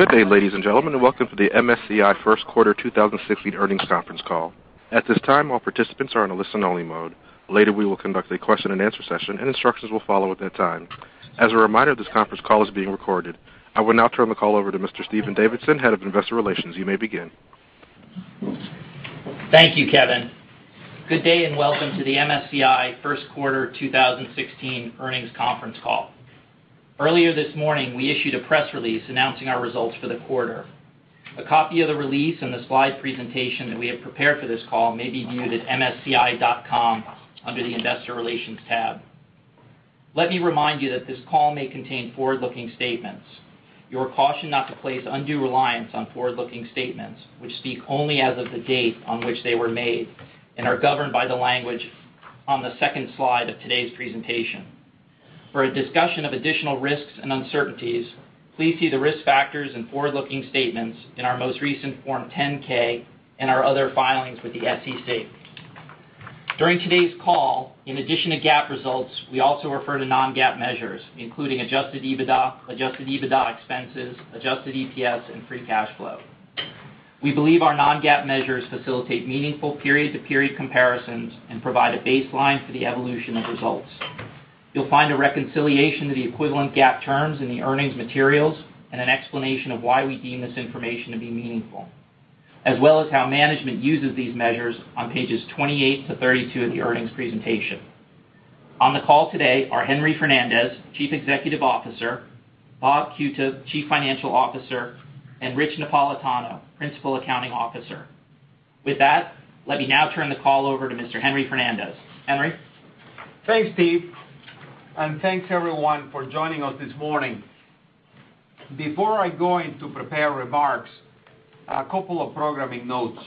Good day, ladies and gentlemen, and welcome to the MSCI First Quarter 2016 Earnings Conference Call. At this time, all participants are in a listen-only mode. Later, we will conduct a question-and-answer session, and instructions will follow at that time. As a reminder, this conference call is being recorded. I will now turn the call over to Mr. Stephen Davidson, Head of Investor Relations. You may begin. Thank you, Kevin. Good day, and welcome to the MSCI First Quarter 2016 Earnings Conference Call. Earlier this morning, we issued a press release announcing our results for the quarter. A copy of the release and the slide presentation that we have prepared for this call may be viewed at msci.com under the Investor Relations tab. Let me remind you that this call may contain forward-looking statements. You are cautioned not to place undue reliance on forward-looking statements, which speak only as of the date on which they were made and are governed by the language on the second slide of today's presentation. For a discussion of additional risks and uncertainties, please see the risk factors and forward-looking statements in our most recent Form 10-K and our other filings with the SEC. During today's call, in addition to GAAP results, we also refer to non-GAAP measures, including adjusted EBITDA, adjusted EBITDA expenses, adjusted EPS, and free cash flow. We believe our non-GAAP measures facilitate meaningful period-to-period comparisons and provide a baseline for the evolution of results. You'll find a reconciliation of the equivalent GAAP terms in the earnings materials and an explanation of why we deem this information to be meaningful, as well as how management uses these measures on pages 28 to 32 of the earnings presentation. On the call today are Henry Fernandez, Chief Executive Officer, Bob Qutub, Chief Financial Officer, and Rich Napolitano, Principal Accounting Officer. With that, let me now turn the call over to Mr. Henry Fernandez. Henry? Thanks, Steve, and thanks everyone for joining us this morning. Before I go into prepared remarks, a couple of programming notes.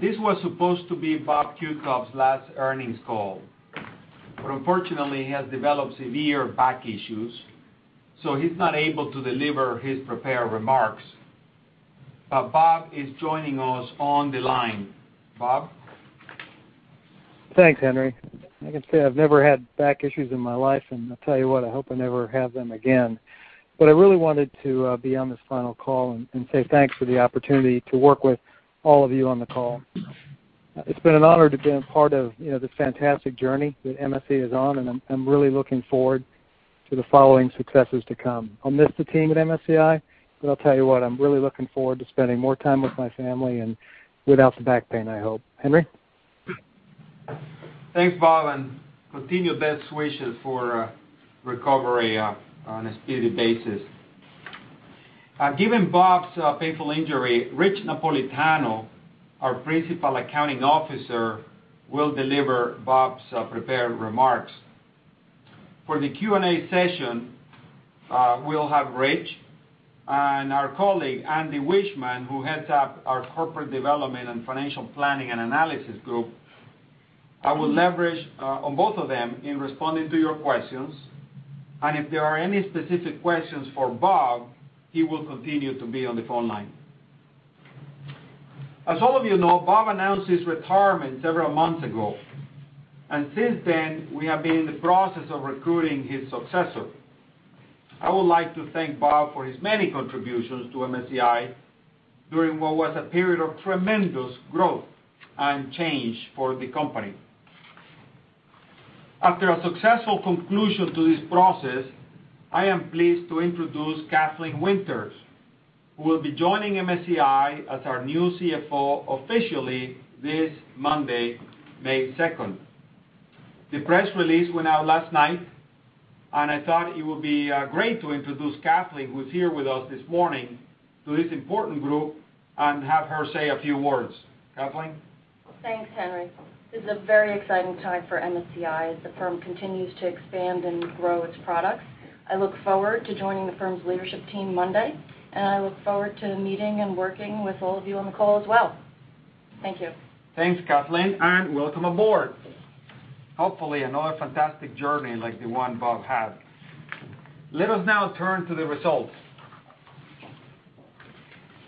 This was supposed to be Robert Qutub's last earnings call, but unfortunately, he has developed severe back issues, so he's not able to deliver his prepared remarks. Bob is joining us on the line. Bob? Thanks, Henry. I can say I've never had back issues in my life, and I tell you what, I hope I never have them again. I really wanted to be on this final call and say thanks for the opportunity to work with all of you on the call. It's been an honor to be a part of this fantastic journey that MSCI is on, and I'm really looking forward to the following successes to come. I'll miss the team at MSCI, but I tell you what, I'm really looking forward to spending more time with my family, and without the back pain, I hope. Henry? Thanks, Bob, and continued best wishes for recovery on a speedy basis. Given Bob's painful injury, Rich Napolitano, our Principal Accounting Officer, will deliver Bob's prepared remarks. For the Q&A session, we'll have Rich and our colleague, Andy Wiechmann, who heads up our corporate development and financial planning and analysis group. I will leverage on both of them in responding to your questions, and if there are any specific questions for Bob, he will continue to be on the phone line. As all of you know, Bob announced his retirement several months ago, and since then, we have been in the process of recruiting his successor. I would like to thank Bob for his many contributions to MSCI during what was a period of tremendous growth and change for the company. After a successful conclusion to this process, I am pleased to introduce Kathleen Winters, who will be joining MSCI as our new CFO officially this Monday, May 2nd. The press release went out last night, and I thought it would be great to introduce Kathleen, who is here with us this morning, to this important group and have her say a few words. Kathleen? Thanks, Henry. This is a very exciting time for MSCI as the firm continues to expand and grow its products. I look forward to joining the firm's leadership team Monday, and I look forward to meeting and working with all of you on the call as well. Thank you. Thanks, Kathleen, and welcome aboard. Hopefully another fantastic journey like the one Bob had. Let us now turn to the results.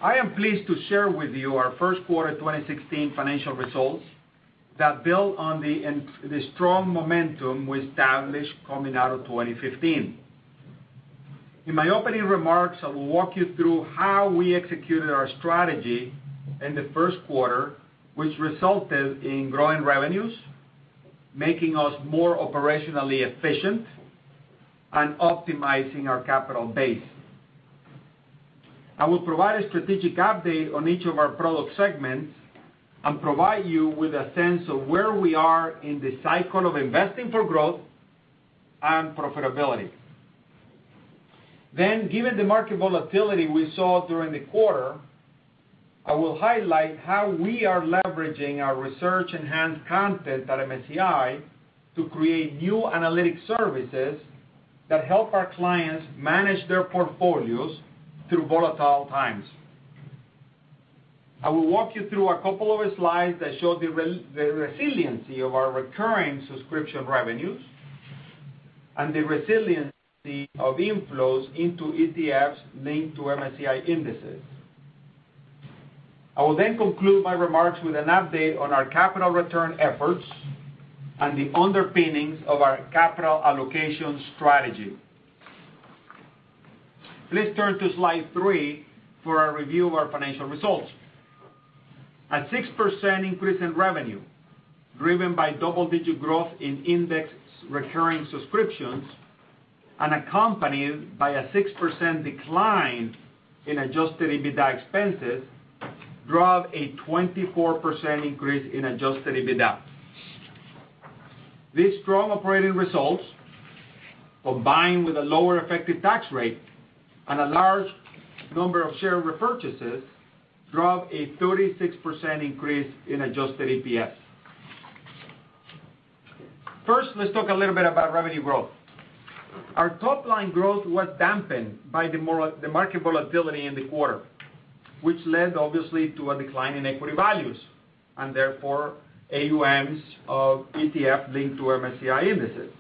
I am pleased to share with you our first quarter 2016 financial results that build on the strong momentum we established coming out of 2015. In my opening remarks, I will walk you through how we executed our strategy in the first quarter, which resulted in growing revenues, making us more operationally efficient, and optimizing our capital base. I will provide a strategic update on each of our product segments and provide you with a sense of where we are in the cycle of investing for growth and profitability. Then, given the market volatility we saw during the quarter, I will highlight how we are leveraging our research-enhanced content at MSCI to create new analytic services that help our clients manage their portfolios through volatile times. I will walk you through a couple of slides that show the resiliency of our recurring subscription revenues and the resiliency of inflows into ETFs linked to MSCI indices. I will then conclude my remarks with an update on our capital return efforts and the underpinnings of our capital allocation strategy. Please turn to Slide 3 for a review of our financial results. A 6% increase in revenue, driven by double-digit growth in index recurring subscriptions, and accompanied by a 6% decline in adjusted EBITDA expenses, drove a 24% increase in adjusted EBITDA. These strong operating results, combined with a lower effective tax rate and a large number of share repurchases, drove a 36% increase in adjusted EPS. First, let's talk a little bit about revenue growth. Our top-line growth was dampened by the market volatility in the quarter, which led obviously to a decline in equity values and therefore AUMs of ETF linked to MSCI indices.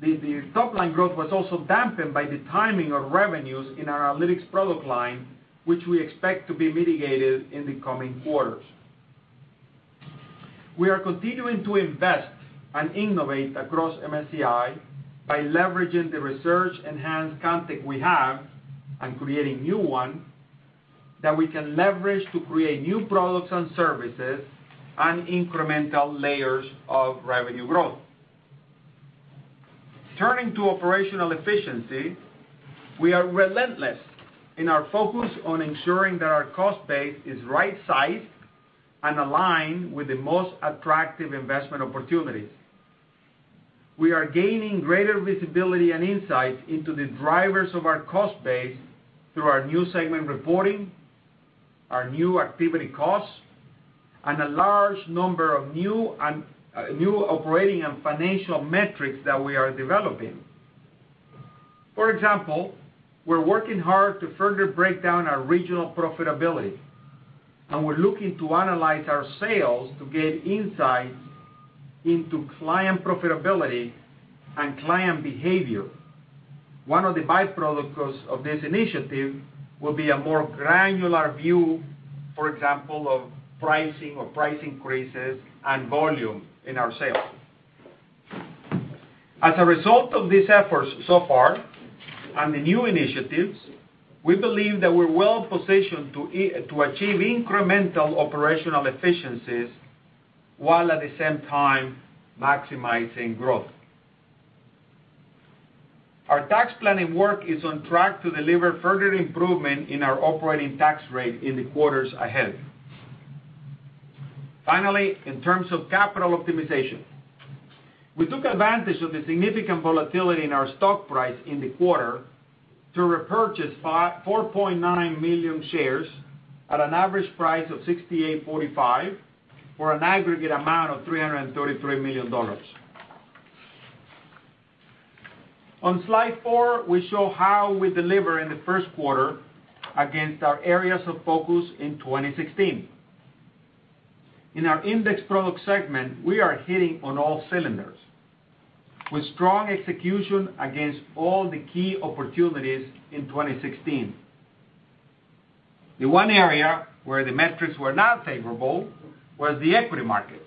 The top-line growth was also dampened by the timing of revenues in our Analytics product line, which we expect to be mitigated in the coming quarters. We are continuing to invest and innovate across MSCI by leveraging the research-enhanced content we have and creating new one that we can leverage to create new products and services and incremental layers of revenue growth. Turning to operational efficiency, we are relentless in our focus on ensuring that our cost base is right-sized and aligned with the most attractive investment opportunities. We are gaining greater visibility and insight into the drivers of our cost base through our new segment reporting, our new activity costs, and a large number of new operating and financial metrics that we are developing. For example, we're working hard to further break down our regional profitability, and we're looking to analyze our sales to get insights into client profitability and client behavior. One of the by-products of this initiative will be a more granular view, for example, of pricing or price increases and volume in our sales. As a result of these efforts so far and the new initiatives, we believe that we're well positioned to achieve incremental operational efficiencies while at the same time maximizing growth. Our tax planning work is on track to deliver further improvement in our operating tax rate in the quarters ahead. Finally, in terms of capital optimization, we took advantage of the significant volatility in our stock price in the quarter to repurchase 4.9 million shares at an average price of $68.45 for an aggregate amount of $333 million. On Slide 4, we show how we deliver in the first quarter against our areas of focus in 2016. In our Index Products segment, we are hitting on all cylinders with strong execution against all the key opportunities in 2016. The one area where the metrics were not favorable was the equity market,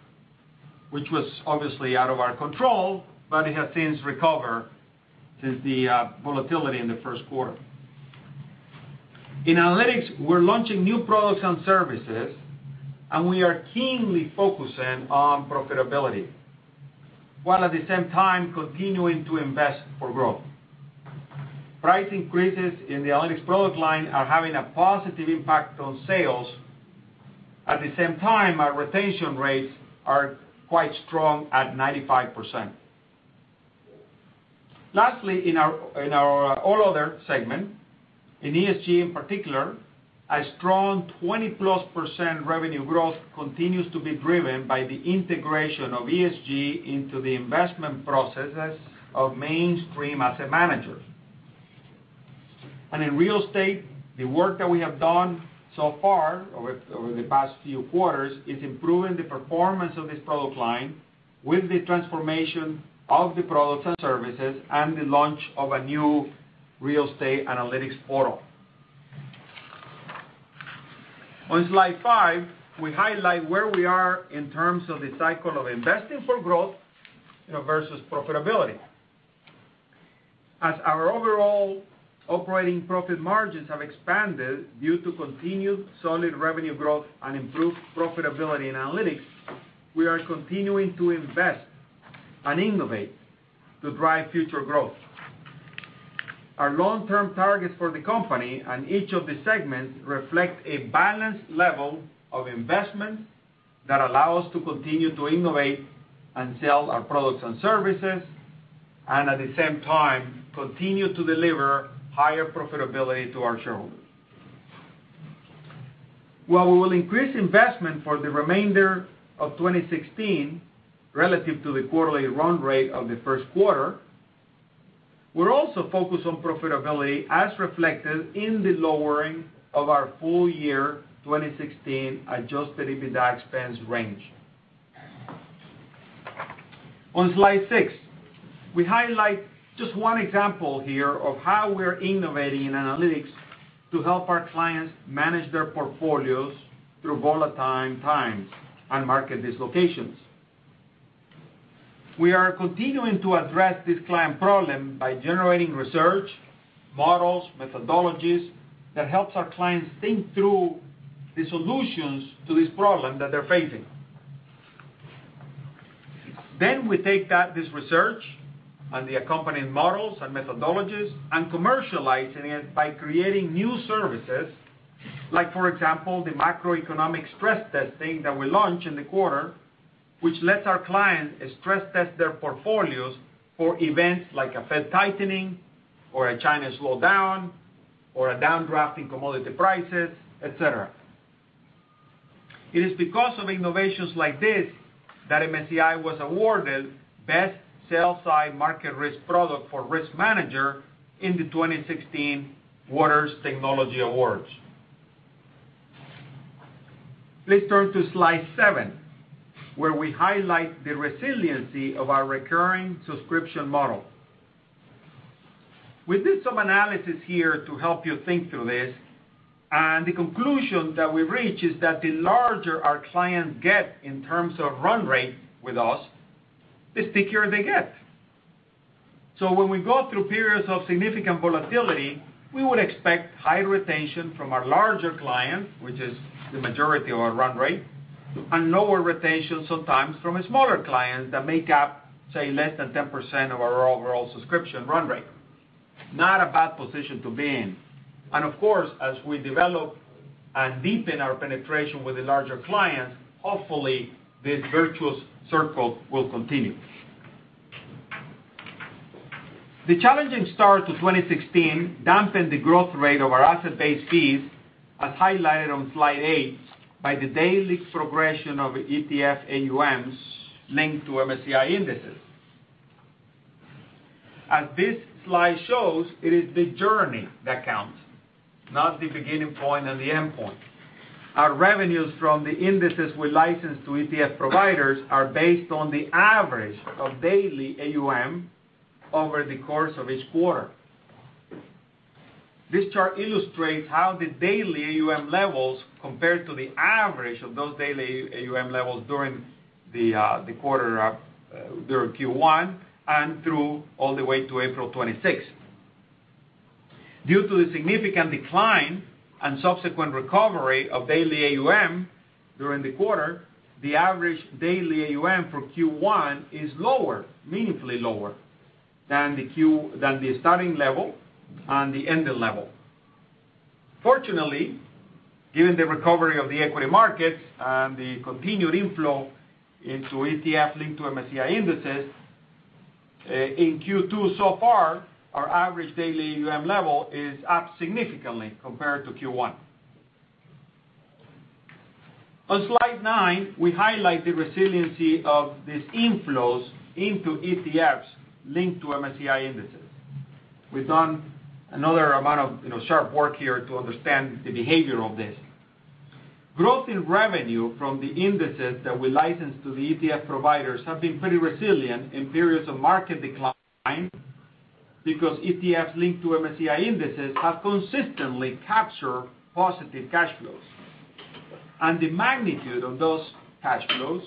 which was obviously out of our control, but it has since recovered since the volatility in the first quarter. In Analytics, we're launching new products and services, we are keenly focusing on profitability, while at the same time continuing to invest for growth. Price increases in the Analytics product line are having a positive impact on sales. At the same time, our retention rates are quite strong at 95%. Lastly, in our All Other segment, in ESG in particular, a strong 20-plus % revenue growth continues to be driven by the integration of ESG into the investment processes of mainstream asset managers. In Real Estate, the work that we have done so far over the past few quarters is improving the performance of this product line with the transformation of the products and services and the launch of a new real estate analytics portal. On Slide 5, we highlight where we are in terms of the cycle of investing for growth versus profitability. As our overall operating profit margins have expanded due to continued solid revenue growth and improved profitability in Analytics, we are continuing to invest and innovate to drive future growth. Our long-term targets for the company and each of the segments reflect a balanced level of investment that allow us to continue to innovate and sell our products and services, at the same time, continue to deliver higher profitability to our shareholders. While we will increase investment for the remainder of 2016 relative to the quarterly run rate of the first quarter, we're also focused on profitability as reflected in the lowering of our full year 2016 adjusted EBITDA expense range. On Slide 6, we highlight just one example here of how we're innovating in Analytics to help our clients manage their portfolios through volatile times and market dislocations. We are continuing to address this client problem by generating research, models, methodologies that helps our clients think through the solutions to this problem that they're facing. We take this research and the accompanying models and methodologies and commercializing it by creating new services like, for example, the macroeconomic stress testing that we launched in the quarter, which lets our clients stress test their portfolios for events like a Fed tightening or a China slowdown or a downdraft in commodity prices, et cetera. It is because of innovations like this that MSCI was awarded Best Sell-Side Market Risk Product for RiskManager in the 2016 WatersTechnology Awards. Please turn to Slide 7, where we highlight the resiliency of our recurring subscription model. We did some analysis here to help you think through this, the conclusion that we reach is that the larger our clients get in terms of run rate with us, the stickier they get. When we go through periods of significant volatility, we would expect high retention from our larger clients, which is the majority of our run rate, and lower retention sometimes from smaller clients that make up, say, less than 10% of our overall subscription run rate. Not a bad position to be in. Of course, as we develop and deepen our penetration with the larger clients, hopefully this virtuous circle will continue. The challenging start to 2016 dampened the growth rate of our asset-based fees, as highlighted on slide eight by the daily progression of ETF AUMs linked to MSCI indices. As this slide shows, it is the journey that counts, not the beginning point and the end point. Our revenues from the indices we license to ETF providers are based on the average of daily AUM over the course of each quarter. This chart illustrates how the daily AUM levels compare to the average of those daily AUM levels during Q1 and all the way to April 26. Due to the significant decline and subsequent recovery of daily AUM during the quarter, the average daily AUM for Q1 is meaningfully lower than the starting level and the ending level. Fortunately, given the recovery of the equity markets and the continued inflow into ETF linked to MSCI indices, in Q2 so far, our average daily AUM level is up significantly compared to Q1. On slide nine, we highlight the resiliency of these inflows into ETFs linked to MSCI indices. We've done another amount of sharp work here to understand the behavior of this. Growth in revenue from the indices that we license to the ETF providers have been pretty resilient in periods of market decline because ETFs linked to MSCI indices have consistently captured positive cash flows, and the magnitude of those cash flows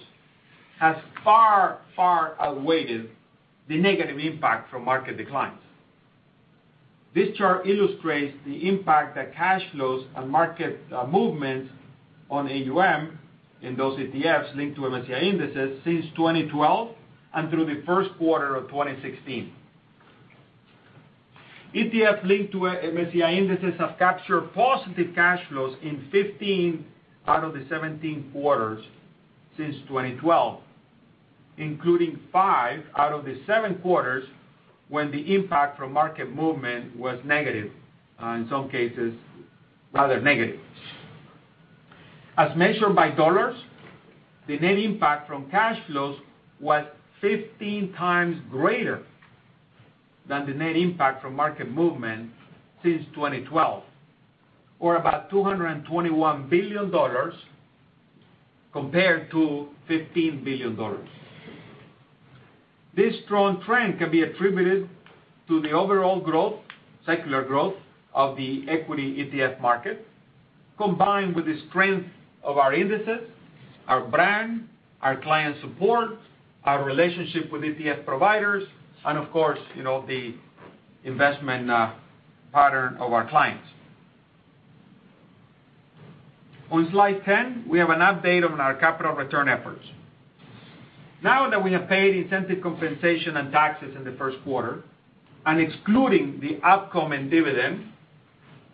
has far, far outweighed the negative impact from market declines. This chart illustrates the impact that cash flows and market movements on AUM in those ETFs linked to MSCI indices since 2012 and through the first quarter of 2016. ETFs linked to MSCI indices have captured positive cash flows in 15 out of the 17 quarters since 2012, including five out of the seven quarters when the impact from market movement was negative, in some cases, rather negative. As measured by dollars, the net impact from cash flows was 15 times greater than the net impact from market movement since 2012, or about $221 billion compared to $15 billion. This strong trend can be attributed to the overall secular growth of the equity ETF market, combined with the strength of our indices, our brand, our client support, our relationship with ETF providers, and of course, the investment pattern of our clients. On slide 10, we have an update on our capital return efforts. Now that we have paid incentive compensation and taxes in the first quarter, and excluding the upcoming dividend,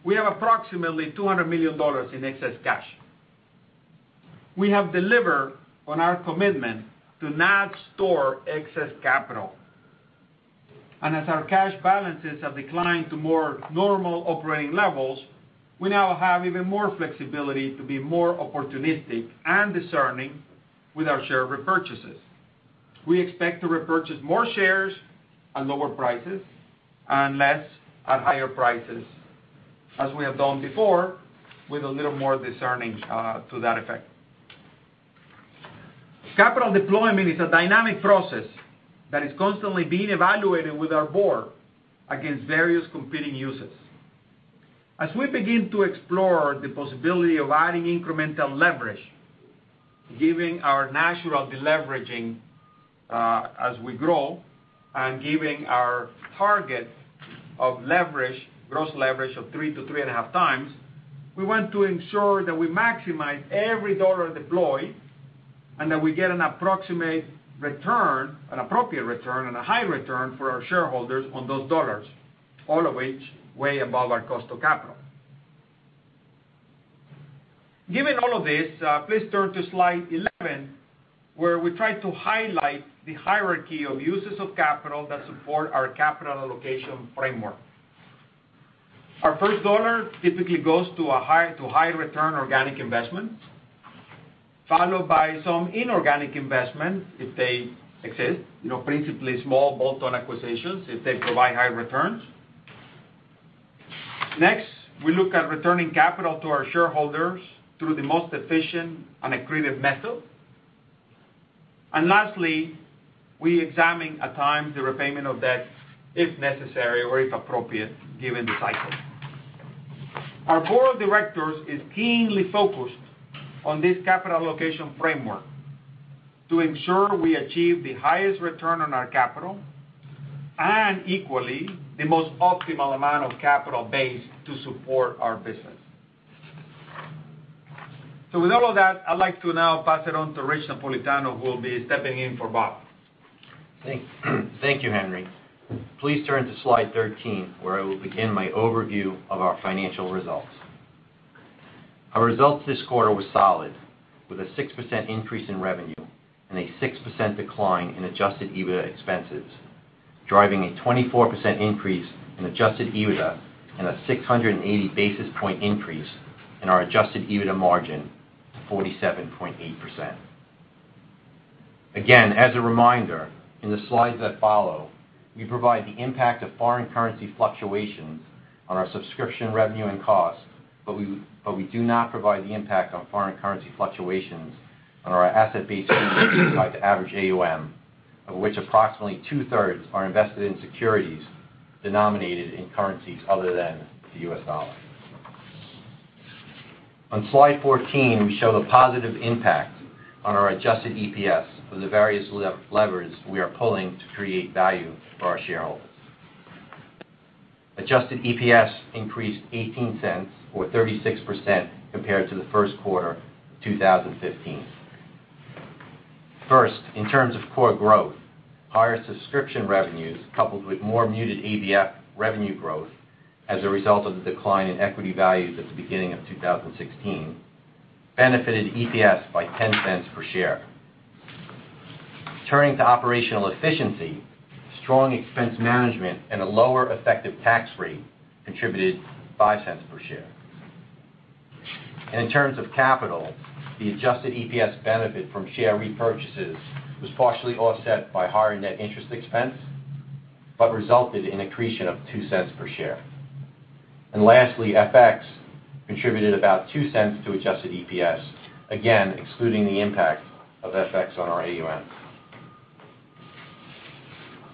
we have approximately $200 million in excess cash. We have delivered on our commitment to not store excess capital, and as our cash balances have declined to more normal operating levels, we now have even more flexibility to be more opportunistic and discerning with our share repurchases. We expect to repurchase more shares at lower prices and less at higher prices as we have done before with a little more discerning to that effect. Capital deployment is a dynamic process that is constantly being evaluated with our board against various competing uses. As we begin to explore the possibility of adding incremental leverage, giving our natural deleveraging as we grow, and giving our target of gross leverage of three to three and a half times, we want to ensure that we maximize every dollar deployed, and that we get an approximate return, an appropriate return, and a high return for our shareholders on those dollars, all of which way above our cost of capital. Given all of this, please turn to slide 11, where we try to highlight the hierarchy of uses of capital that support our capital allocation framework. Our first dollar typically goes to high return organic investments, followed by some inorganic investment if they exist. Principally small bolt-on acquisitions if they provide high returns. Next, we look at returning capital to our shareholders through the most efficient and accretive method. Lastly, we examine at times the repayment of debt if necessary or if appropriate given the cycle. Our board of directors is keenly focused on this capital allocation framework to ensure we achieve the highest return on our capital, and equally, the most optimal amount of capital base to support our business. With all of that, I'd like to now pass it on to Rich Napolitano, who will be stepping in for Bob. Thank you, Henry. Please turn to slide 13, where I will begin my overview of our financial results. Our results this quarter were solid, with a 6% increase in revenue and a 6% decline in adjusted EBITDA expenses, driving a 24% increase in adjusted EBITDA and a 680 basis point increase in our adjusted EBITDA margin to 47.8%. Again, as a reminder, in the slides that follow, we provide the impact of foreign currency fluctuations on our subscription revenue and costs, but we do not provide the impact on foreign currency fluctuations on our asset-based fees divided to average AUM, of which approximately two-thirds are invested in securities denominated in currencies other than the U.S. dollar. On slide 14, we show the positive impact on our adjusted EPS from the various levers we are pulling to create value for our shareholders. Adjusted EPS increased $0.18 or 36% compared to the first quarter of 2015. First, in terms of core growth, higher subscription revenues coupled with more muted ABF revenue growth as a result of the decline in equity values at the beginning of 2016, benefited EPS by $0.10 per share. Turning to operational efficiency, strong expense management and a lower effective tax rate contributed $0.05 per share. In terms of capital, the adjusted EPS benefit from share repurchases was partially offset by higher net interest expense, but resulted in accretion of $0.02 per share. Lastly, FX contributed about $0.02 to adjusted EPS, again excluding the impact of FX on our AUM.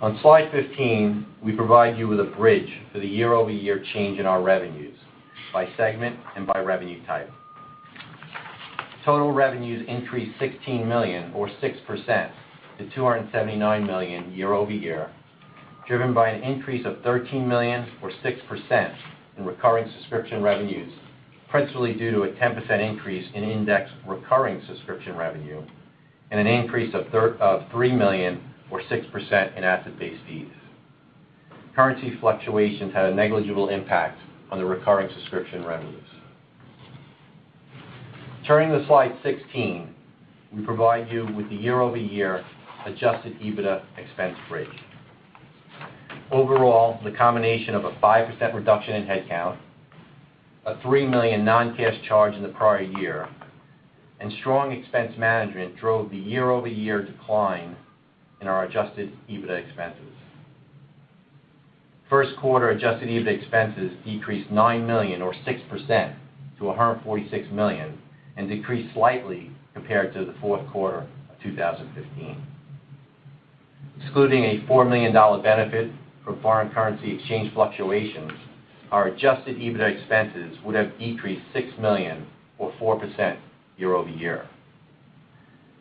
On slide 15, we provide you with a bridge for the year-over-year change in our revenues by segment and by revenue type. Total revenues increased $16 million or 6% to $279 million year-over-year, driven by an increase of $13 million or 6% in recurring subscription revenues, principally due to a 10% increase in indexed recurring subscription revenue, and an increase of $3 million or 6% in asset-based fees. Currency fluctuations had a negligible impact on the recurring subscription revenues. Turning to slide 16, we provide you with the year-over-year adjusted EBITDA expense bridge. Overall, the combination of a 5% reduction in headcount, a $3 million non-cash charge in the prior year, and strong expense management drove the year-over-year decline in our adjusted EBITDA expenses. First quarter adjusted EBITDA expenses decreased $9 million or 6% to $146 million and decreased slightly compared to the fourth quarter of 2015. Excluding a $4 million benefit from foreign currency exchange fluctuations, our adjusted EBITDA expenses would have decreased $6 million or 4% year-over-year.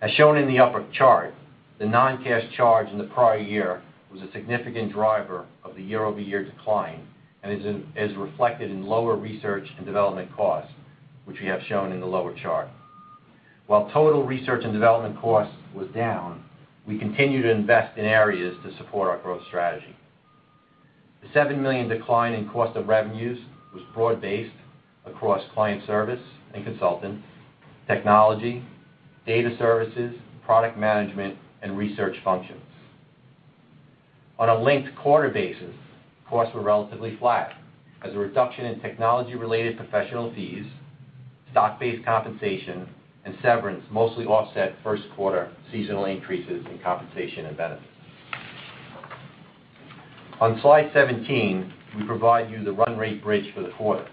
As shown in the upper chart, the non-cash charge in the prior year was a significant driver of the year-over-year decline and is reflected in lower research and development costs, which we have shown in the lower chart. While total research and development cost was down, we continue to invest in areas to support our growth strategy. The $7 million decline in cost of revenues was broad-based across client service and consulting, technology, data services, product management, and research functions. On a linked quarter basis, costs were relatively flat as a reduction in technology-related professional fees, stock-based compensation, and severance mostly offset first quarter seasonal increases in compensation and benefits. On slide 17, we provide you the run rate bridge for the quarter.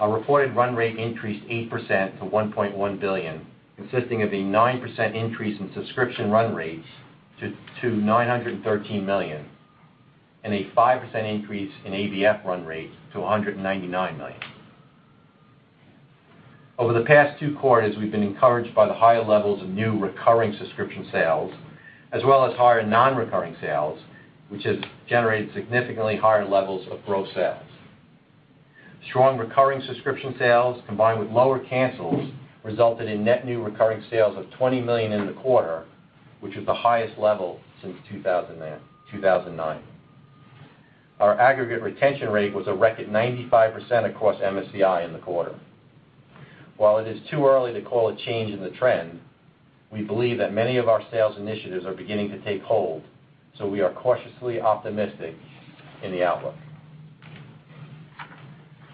Our reported run rate increased 8% to $1.1 billion, consisting of a 9% increase in subscription run rates to $913 million, and a 5% increase in ABF run rate to $199 million. Over the past two quarters, we've been encouraged by the higher levels of new recurring subscription sales, as well as higher non-recurring sales, which has generated significantly higher levels of growth sales. Strong recurring subscription sales, combined with lower cancels, resulted in net new recurring sales of $20 million in the quarter, which is the highest level since 2009. Our aggregate retention rate was a record 95% across MSCI in the quarter. While it is too early to call a change in the trend, we believe that many of our sales initiatives are beginning to take hold, so we are cautiously optimistic in the outlook.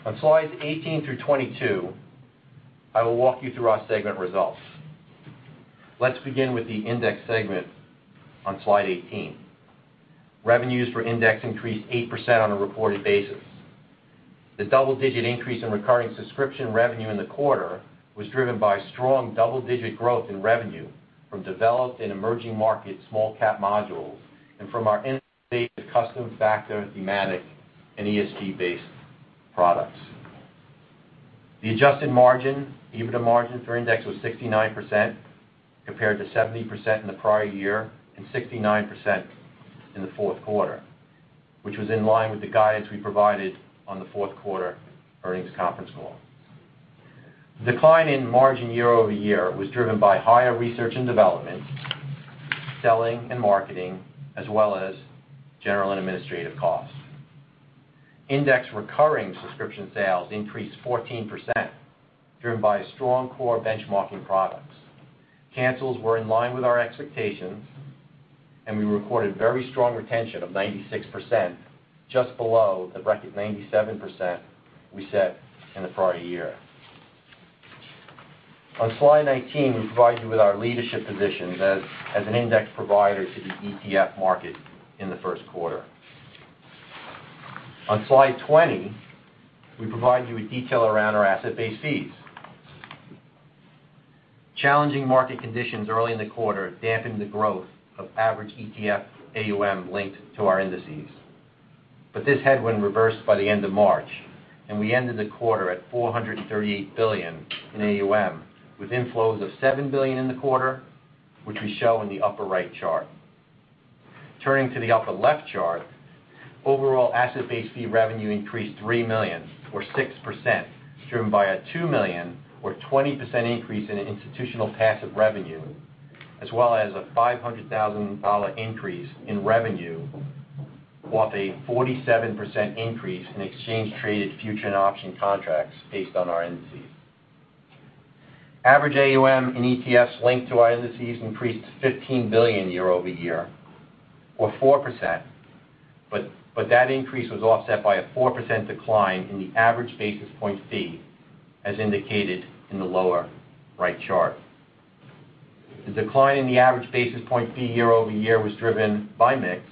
On slides 18 through 22, I will walk you through our segment results. Let's begin with the index segment on slide 18. Revenues for index increased 8% on a reported basis. The double-digit increase in recurring subscription revenue in the quarter was driven by strong double-digit growth in revenue from developed and emerging market small cap modules, and from our index-based custom factor, thematic, and ESG-based products. The adjusted EBITDA margin for index was 69%, compared to 70% in the prior year, and 69% in the fourth quarter, which was in line with the guidance we provided on the fourth quarter earnings conference call. The decline in margin year-over-year was driven by higher research and development, selling and marketing, as well as general and administrative costs. Index recurring subscription sales increased 14%, driven by strong core benchmarking products. Cancels were in line with our expectations, and we recorded very strong retention of 96%, just below the record 97% we set in the prior year. On slide 19, we provide you with our leadership position as an index provider to the ETF market in the first quarter. On slide 20, we provide you with detail around our asset-based fees. Challenging market conditions early in the quarter dampened the growth of average ETF AUM linked to our indices. This headwind reversed by the end of March, and we ended the quarter at $438 billion in AUM, with inflows of $7 billion in the quarter, which we show in the upper right chart. Turning to the upper left chart, overall asset-based fee revenue increased $3 million or 6%, driven by a $2 million or 20% increase in institutional passive revenue, as well as a $500,000 increase in revenue off a 47% increase in exchange traded future and option contracts based on our indices. Average AUM in ETFs linked to our indices increased $15 billion year-over-year or 4%, but that increase was offset by a 4% decline in the average basis point fee, as indicated in the lower right chart. The decline in the average basis point fee year-over-year was driven by mix,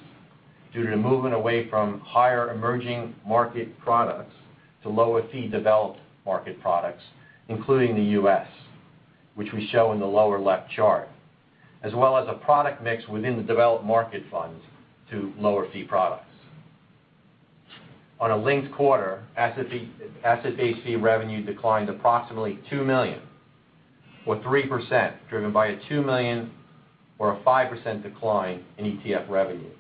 due to the movement away from higher emerging market products to lower fee developed market products, including the U.S., which we show in the lower left chart, as well as a product mix within the developed market funds to lower fee products. On a linked quarter, asset-based fee revenue declined approximately $2 million or 3%, driven by a $2 million or a 5% decline in ETF revenue.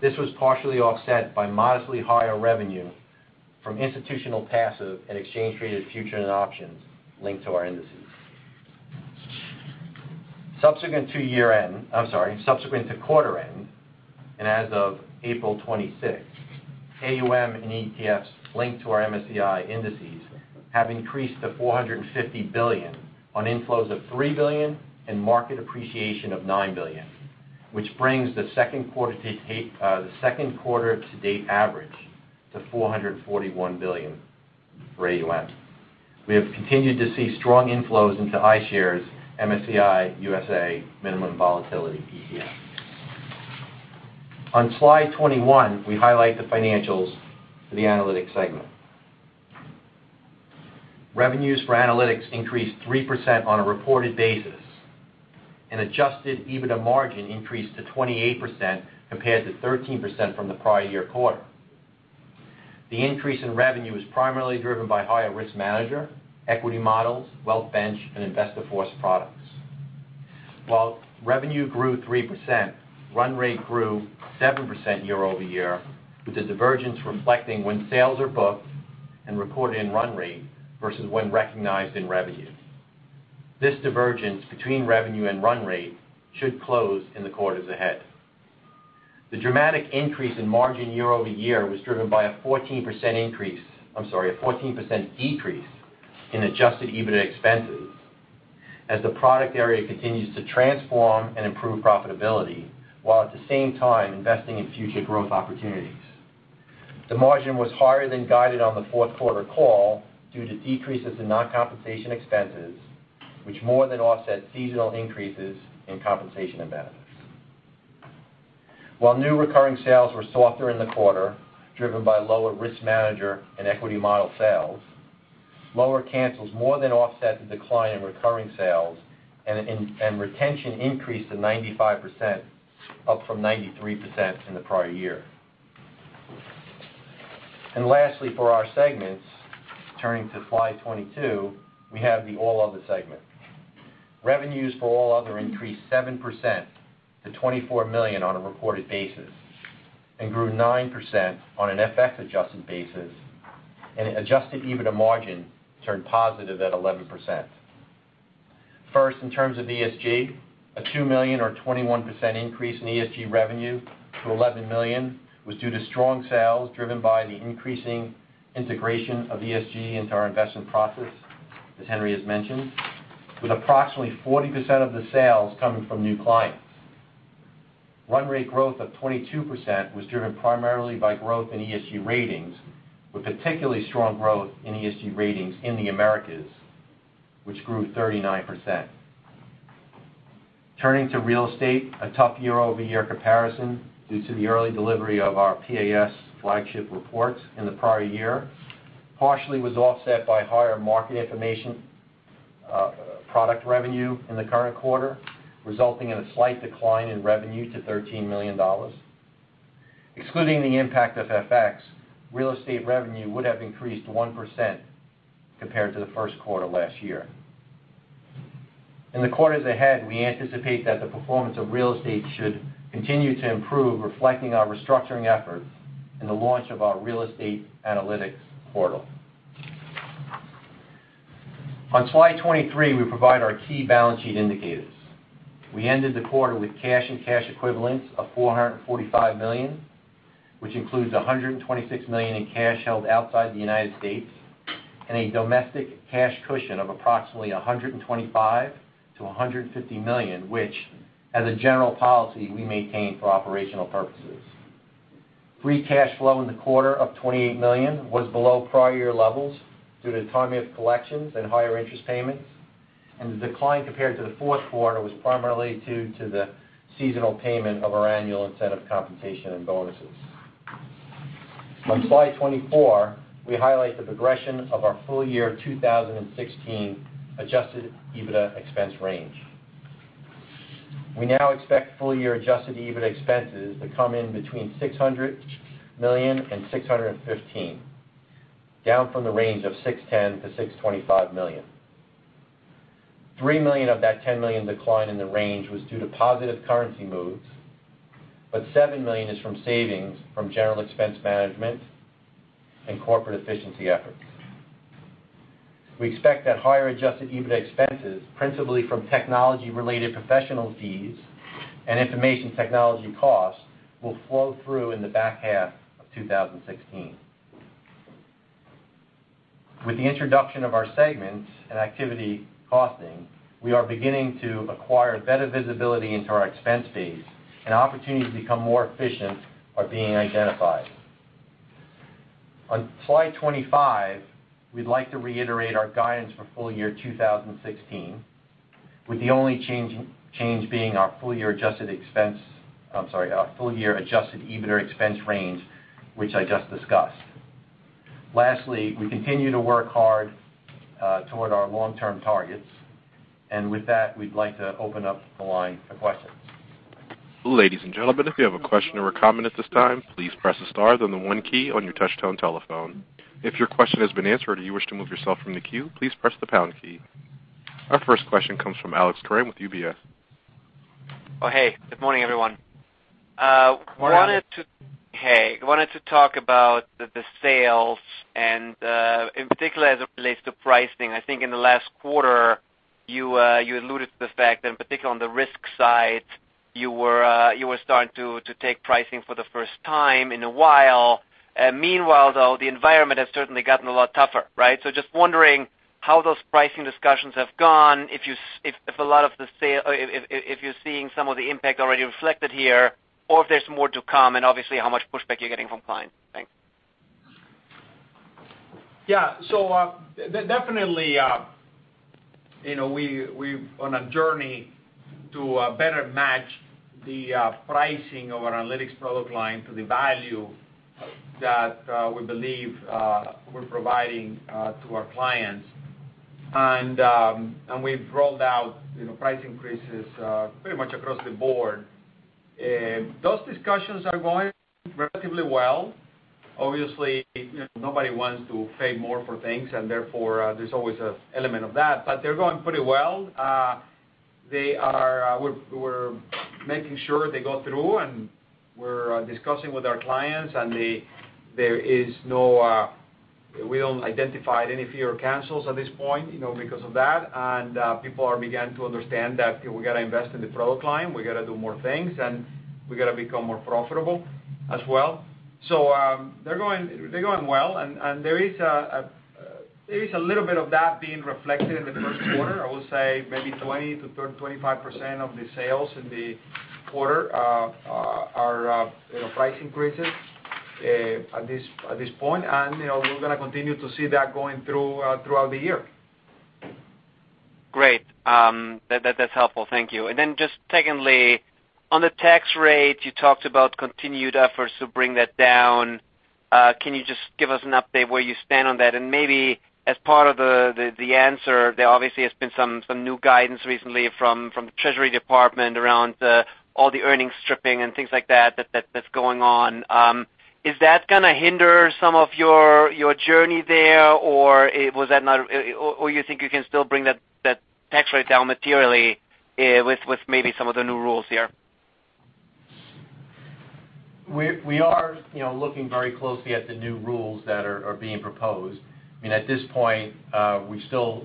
This was partially offset by modestly higher revenue from institutional passive and exchange traded futures and options linked to our indices. Subsequent to quarter end, and as of April 26th, AUM and ETFs linked to our MSCI indices have increased to $450 billion on inflows of $3 billion and market appreciation of $9 billion, which brings the second quarter to date average to $441 billion for AUM. We have continued to see strong inflows into iShares MSCI USA Min Vol Factor ETF. On slide 21, we highlight the financials for the Analytics Segment. Revenues for Analytics increased 3% on a reported basis, and adjusted EBITDA margin increased to 28% compared to 13% from the prior year quarter. The increase in revenue was primarily driven by higher RiskManager, equity models, WealthBench, and InvestorForce products. While revenue grew 3%, run rate grew 7% year-over-year, with the divergence reflecting when sales are booked and recorded in run rate versus when recognized in revenue. This divergence between revenue and run rate should close in the quarters ahead. The dramatic increase in margin year-over-year was driven by a 14% decrease in adjusted EBITDA expenses, as the product area continues to transform and improve profitability, while at the same time investing in future growth opportunities. The margin was higher than guided on the fourth quarter call due to decreases in non-compensation expenses, which more than offset seasonal increases in compensation and benefits. While new recurring sales were softer in the quarter, driven by lower RiskManager and equity model sales, lower cancels more than offset the decline in recurring sales, retention increased to 95%, up from 93% in the prior year. Lastly, for our segments, turning to slide 22, we have the All Other segment. Revenues for All Other increased 7% to $24 million on a reported basis, grew 9% on an FX-adjusted basis, adjusted EBITDA margin turned positive at 11%. First, in terms of ESG, a $2 million or 21% increase in ESG revenue to $11 million was due to strong sales driven by the increasing integration of ESG into our investment process, as Henry has mentioned, with approximately 40% of the sales coming from new clients. Run rate growth of 22% was driven primarily by growth in ESG ratings, with particularly strong growth in ESG ratings in the Americas, which grew 39%. Turning to real estate, a tough year-over-year comparison due to the early delivery of our PAS flagship reports in the prior year, partially was offset by higher market information product revenue in the current quarter, resulting in a slight decline in revenue to $13 million. Excluding the impact of FX, real estate revenue would have increased 1% compared to the first quarter last year. In the quarters ahead, we anticipate that the performance of real estate should continue to improve, reflecting our restructuring efforts and the launch of our real estate analytics portal. On slide 23, we provide our key balance sheet indicators. We ended the quarter with cash and cash equivalents of $445 million, which includes $126 million in cash held outside the United States and a domestic cash cushion of approximately $125 million-$150 million, which, as a general policy, we maintain for operational purposes. Free cash flow in the quarter of $28 million was below prior year levels due to the timing of collections and higher interest payments, the decline compared to the fourth quarter was primarily due to the seasonal payment of our annual incentive compensation and bonuses. On slide 24, we highlight the progression of our full year 2016 adjusted EBITDA expense range. We now expect full year adjusted EBITDA expenses to come in between $600 million and $615 million, down from the range of $610 million-$625 million. $3 million of that $10 million decline in the range was due to positive currency moves, $7 million is from savings from general expense management and corporate efficiency efforts. We expect that higher adjusted EBITDA expenses, principally from technology-related professional fees and information technology costs, will flow through in the back half of 2016. With the introduction of our segments and activity costing, we are beginning to acquire better visibility into our expense base and opportunities to become more efficient are being identified. On slide 25, we'd like to reiterate our guidance for full year 2016, with the only change being our full year adjusted EBITDA expense range, which I just discussed. Lastly, we continue to work hard toward our long-term targets. With that, we'd like to open up the line for questions. Ladies and gentlemen, if you have a question or a comment at this time, please press the star then the one key on your touch tone telephone. If your question has been answered or you wish to move yourself from the queue, please press the pound key. Our first question comes from Alex Kramm with UBS. Hey. Good morning, everyone. Morning. Hey. I wanted to talk about the sales and, in particular as it relates to pricing. I think in the last quarter, you alluded to the fact that particularly on the risk side, you were starting to take pricing for the first time in a while. Meanwhile, though, the environment has certainly gotten a lot tougher, right? Just wondering how those pricing discussions have gone, if you're seeing some of the impact already reflected here, or if there's more to come, and obviously, how much pushback you're getting from clients. Thanks. Yeah. Definitely, we're on a journey to better match the pricing of our analytics product line to the value that we believe we're providing to our clients. We've rolled out price increases pretty much across the board. Those discussions are going relatively well. Obviously, nobody wants to pay more for things, and therefore there's always an element of that. They're going pretty well. We're making sure they go through, and we're discussing with our clients, and we haven't identified any fewer cancels at this point because of that. People are beginning to understand that we've got to invest in the product line, we've got to do more things, and we've got to become more profitable as well. They're going well, and there is a There is a little bit of that being reflected in the first quarter. I would say maybe 20%-25% of the sales in the quarter are price increases at this point. We're going to continue to see that going throughout the year. Great. That's helpful. Thank you. Just secondly, on the tax rate, you talked about continued efforts to bring that down. Can you just give us an update where you stand on that? Maybe as part of the answer, there obviously has been some new guidance recently from the Treasury Department around all the earnings stripping and things like that that's going on. Is that going to hinder some of your journey there, or you think you can still bring that tax rate down materially with maybe some of the new rules here? We are looking very closely at the new rules that are being proposed. At this point, we're still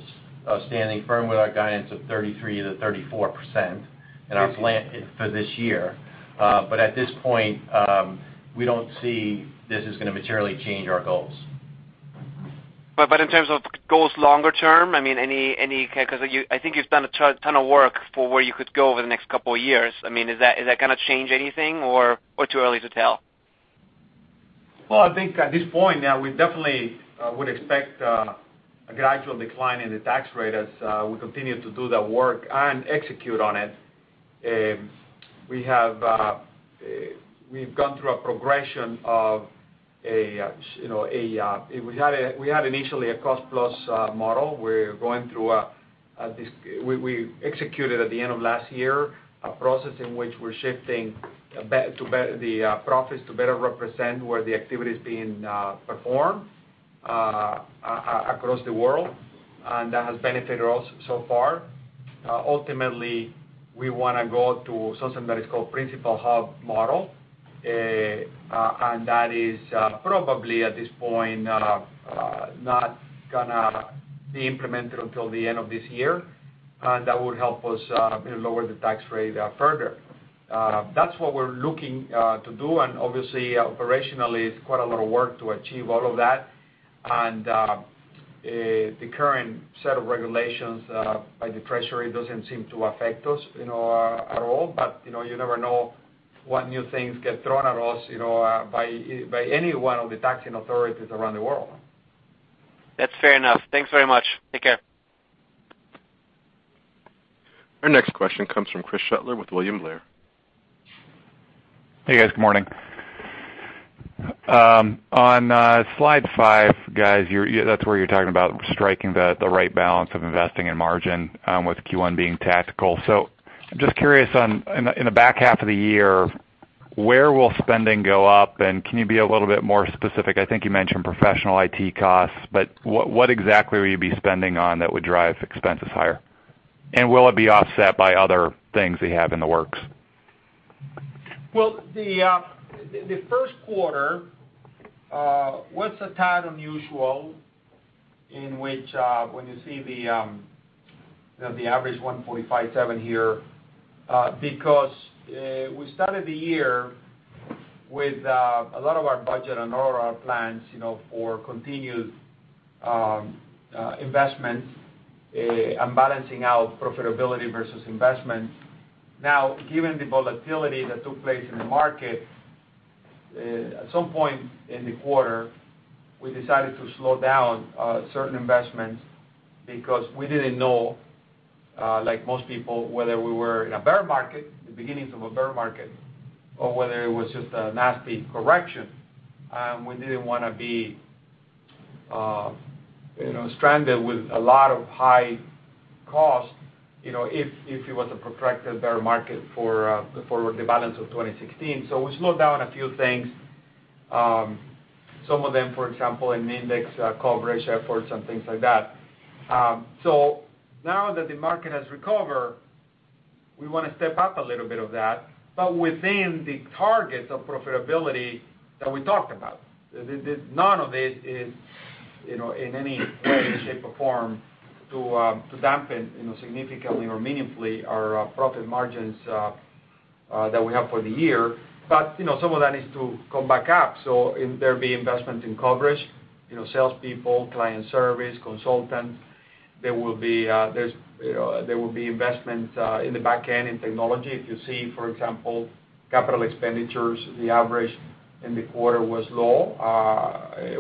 standing firm with our guidance of 33%-34% for this year. At this point, we don't see this is going to materially change our goals. In terms of goals longer term, I think you've done a ton of work for where you could go over the next couple of years. Is that going to change anything or too early to tell? Well, I think at this point now, we definitely would expect a gradual decline in the tax rate as we continue to do the work and execute on it. We've gone through a progression of, we had initially a cost-plus model. We executed at the end of last year, a process in which we're shifting the profits to better represent where the activity is being performed across the world. That has benefited us so far. Ultimately, we want to go to something that is called principal hub model, and that is probably at this point not going to be implemented until the end of this year. That would help us lower the tax rate further. That's what we're looking to do, and obviously, operationally, it's quite a lot of work to achieve all of that. The current set of regulations by the Treasury doesn't seem to affect us at all. You never know what new things get thrown at us by any one of the taxing authorities around the world. That's fair enough. Thanks very much. Take care. Our next question comes from Chris Shutler with William Blair. Hey, guys. Good morning. On slide five, guys, that's where you're talking about striking the right balance of investing in margin with Q1 being tactical. I'm just curious on, in the back half of the year, where will spending go up, and can you be a little bit more specific? I think you mentioned professional IT costs, but what exactly will you be spending on that would drive expenses higher? Will it be offset by other things that you have in the works? Well, the first quarter was a tad unusual in which when you see the average $145.7 here, because we started the year with a lot of our budget and all of our plans for continued investments and balancing out profitability versus investment. Given the volatility that took place in the market, at some point in the quarter, we decided to slow down certain investments because we didn't know, like most people, whether we were in a bear market, the beginnings of a bear market, or whether it was just a nasty correction. We didn't want to be stranded with a lot of high costs if it was a protracted bear market for the balance of 2016. We slowed down a few things. Some of them, for example, in index coverage efforts and things like that. Now that the market has recovered, we want to step up a little bit of that, but within the targets of profitability that we talked about. None of it is in any way, shape, or form to dampen significantly or meaningfully our profit margins that we have for the year. Some of that needs to come back up. There'll be investments in coverage, salespeople, client service, consultants. There will be investments in the back end in technology. If you see, for example, CapEx, the average in the quarter was low.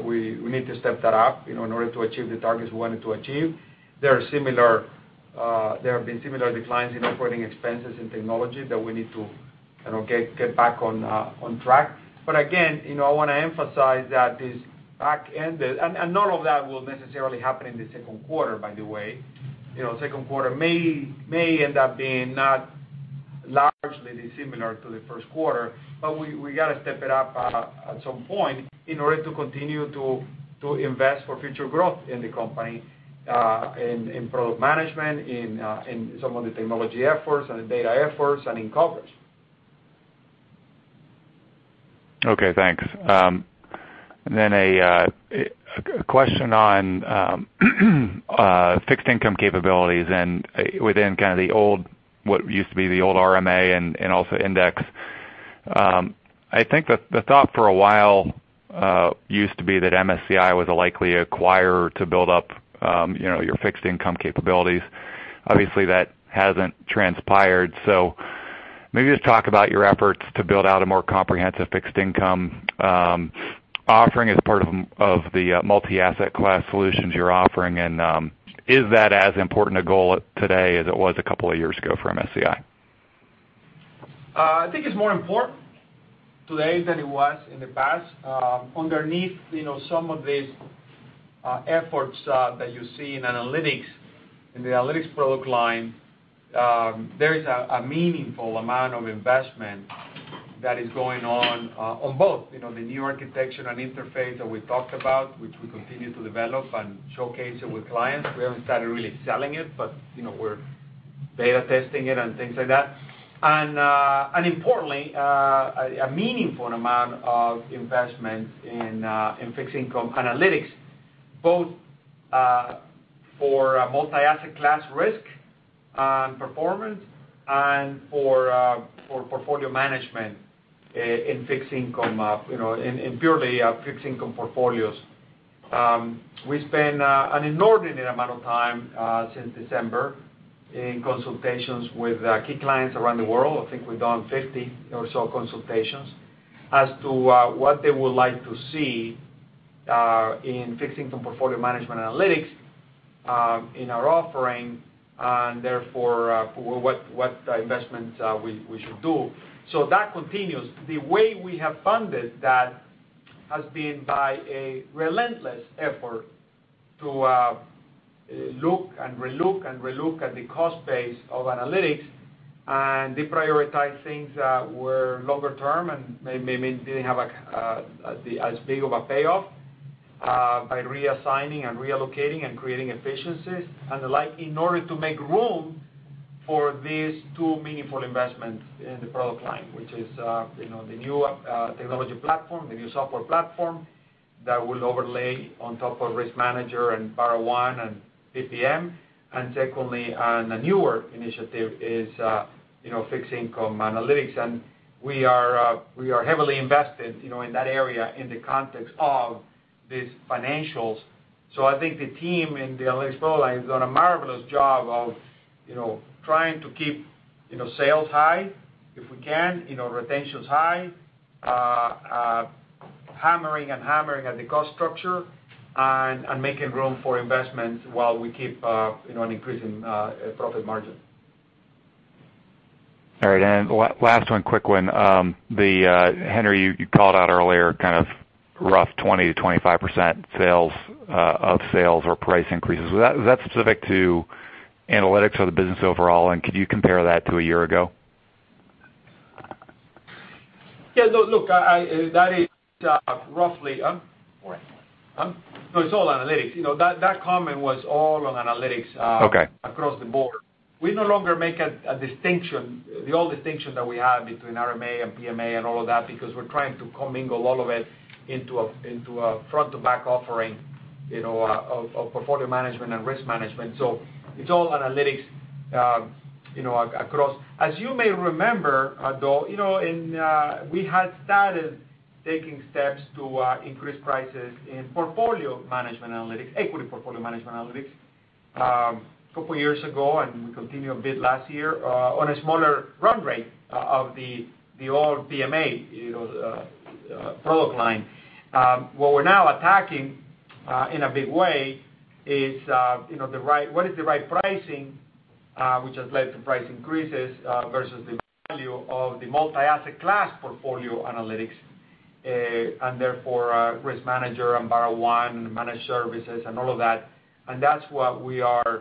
We need to step that up in order to achieve the targets we wanted to achieve. There have been similar declines in OpEx in technology that we need to get back on track. Again, I want to emphasize that this back end, none of that will necessarily happen in the second quarter, by the way. Second quarter may end up being not largely dissimilar to the first quarter, but we got to step it up at some point in order to continue to invest for future growth in the company, in product management, in some of the technology efforts and the data efforts and in coverage. Okay, thanks. A question on fixed income capabilities and within what used to be the old RMA and also Index. I think the thought for a while used to be that MSCI was a likely acquirer to build up your fixed income capabilities. Obviously, that hasn't transpired. Maybe just talk about your efforts to build out a more comprehensive fixed income offering as part of the multi-asset class solutions you're offering, and is that as important a goal today as it was a couple of years ago for MSCI? I think it's more important today than it was in the past. Underneath some of these efforts that you see in analytics, in the analytics product line, there is a meaningful amount of investment that is going on both the new architecture and interface that we talked about, which we continue to develop and showcase it with clients. We haven't started really selling it, but we're beta testing it and things like that. Importantly, a meaningful amount of investment in fixed income analytics, both for multi-asset class risk and performance and for portfolio management in purely fixed income portfolios. We spent an inordinate amount of time since December in consultations with key clients around the world. I think we've done 50 or so consultations as to what they would like to see in fixed income portfolio management analytics in our offering, and therefore, what investments we should do. That continues. The way we have funded that has been by a relentless effort to look and relook and relook at the cost base of analytics and deprioritize things that were longer term and maybe didn't have as big of a payoff by reassigning and relocating and creating efficiencies and the like in order to make room for these two meaningful investments in the product line, which is the new technology platform, the new software platform that will overlay on top of RiskManager and BarraOne and PPM. Secondly, the newer initiative is fixed income analytics. We are heavily invested in that area in the context of these financials. I think the team in the analytics product line has done a marvelous job of trying to keep sales high if we can, retentions high, hammering and hammering at the cost structure, and making room for investments while we keep increasing profit margin. Last one, quick one. Henry, you called out earlier kind of rough 20%-25% of sales or price increases. Was that specific to analytics or the business overall, and could you compare that to a year ago? Yeah, look, that is No, it's all analytics. That comment was all on analytics. Okay Across the board. We no longer make a distinction, the old distinction that we had between RMA and PMA and all of that because we're trying to commingle all of it into a front-to-back offering of portfolio management and risk management. It's all analytics across. As you may remember, though, we had started taking steps to increase prices in portfolio management analytics, equity portfolio management analytics a couple of years ago, and we continued a bit last year on a smaller run rate of the old PMA product line. What we're now attacking in a big way is what is the right pricing which has led to price increases versus the value of the multi-asset class portfolio analytics, and therefore, RiskManager and BarraOne and Managed Services and all of that. That's what we are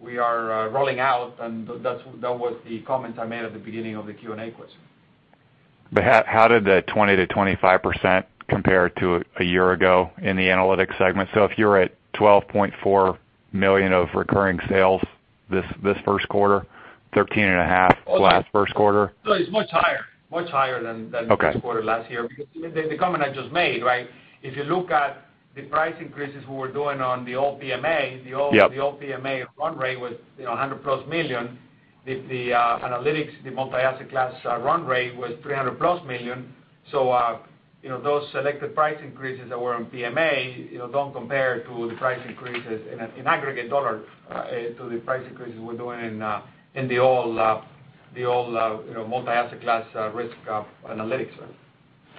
rolling out, and that was the comment I made at the beginning of the Q&A question. How did the 20%-25% compare to a year ago in the analytics segment? If you're at $12.4 million of recurring sales this first quarter, $13.5 million last first quarter. No, it's much higher than. Okay the first quarter last year because the comment I just made, right? If you look at the price increases we were doing on the old PMA. Yeah the old PMA run rate was $100-plus million. The analytics, the multi-asset class run rate was $300-plus million. Those selected price increases that were on PMA don't compare to the price increases in aggregate dollar to the price increases we're doing in the old multi-asset class risk analytics.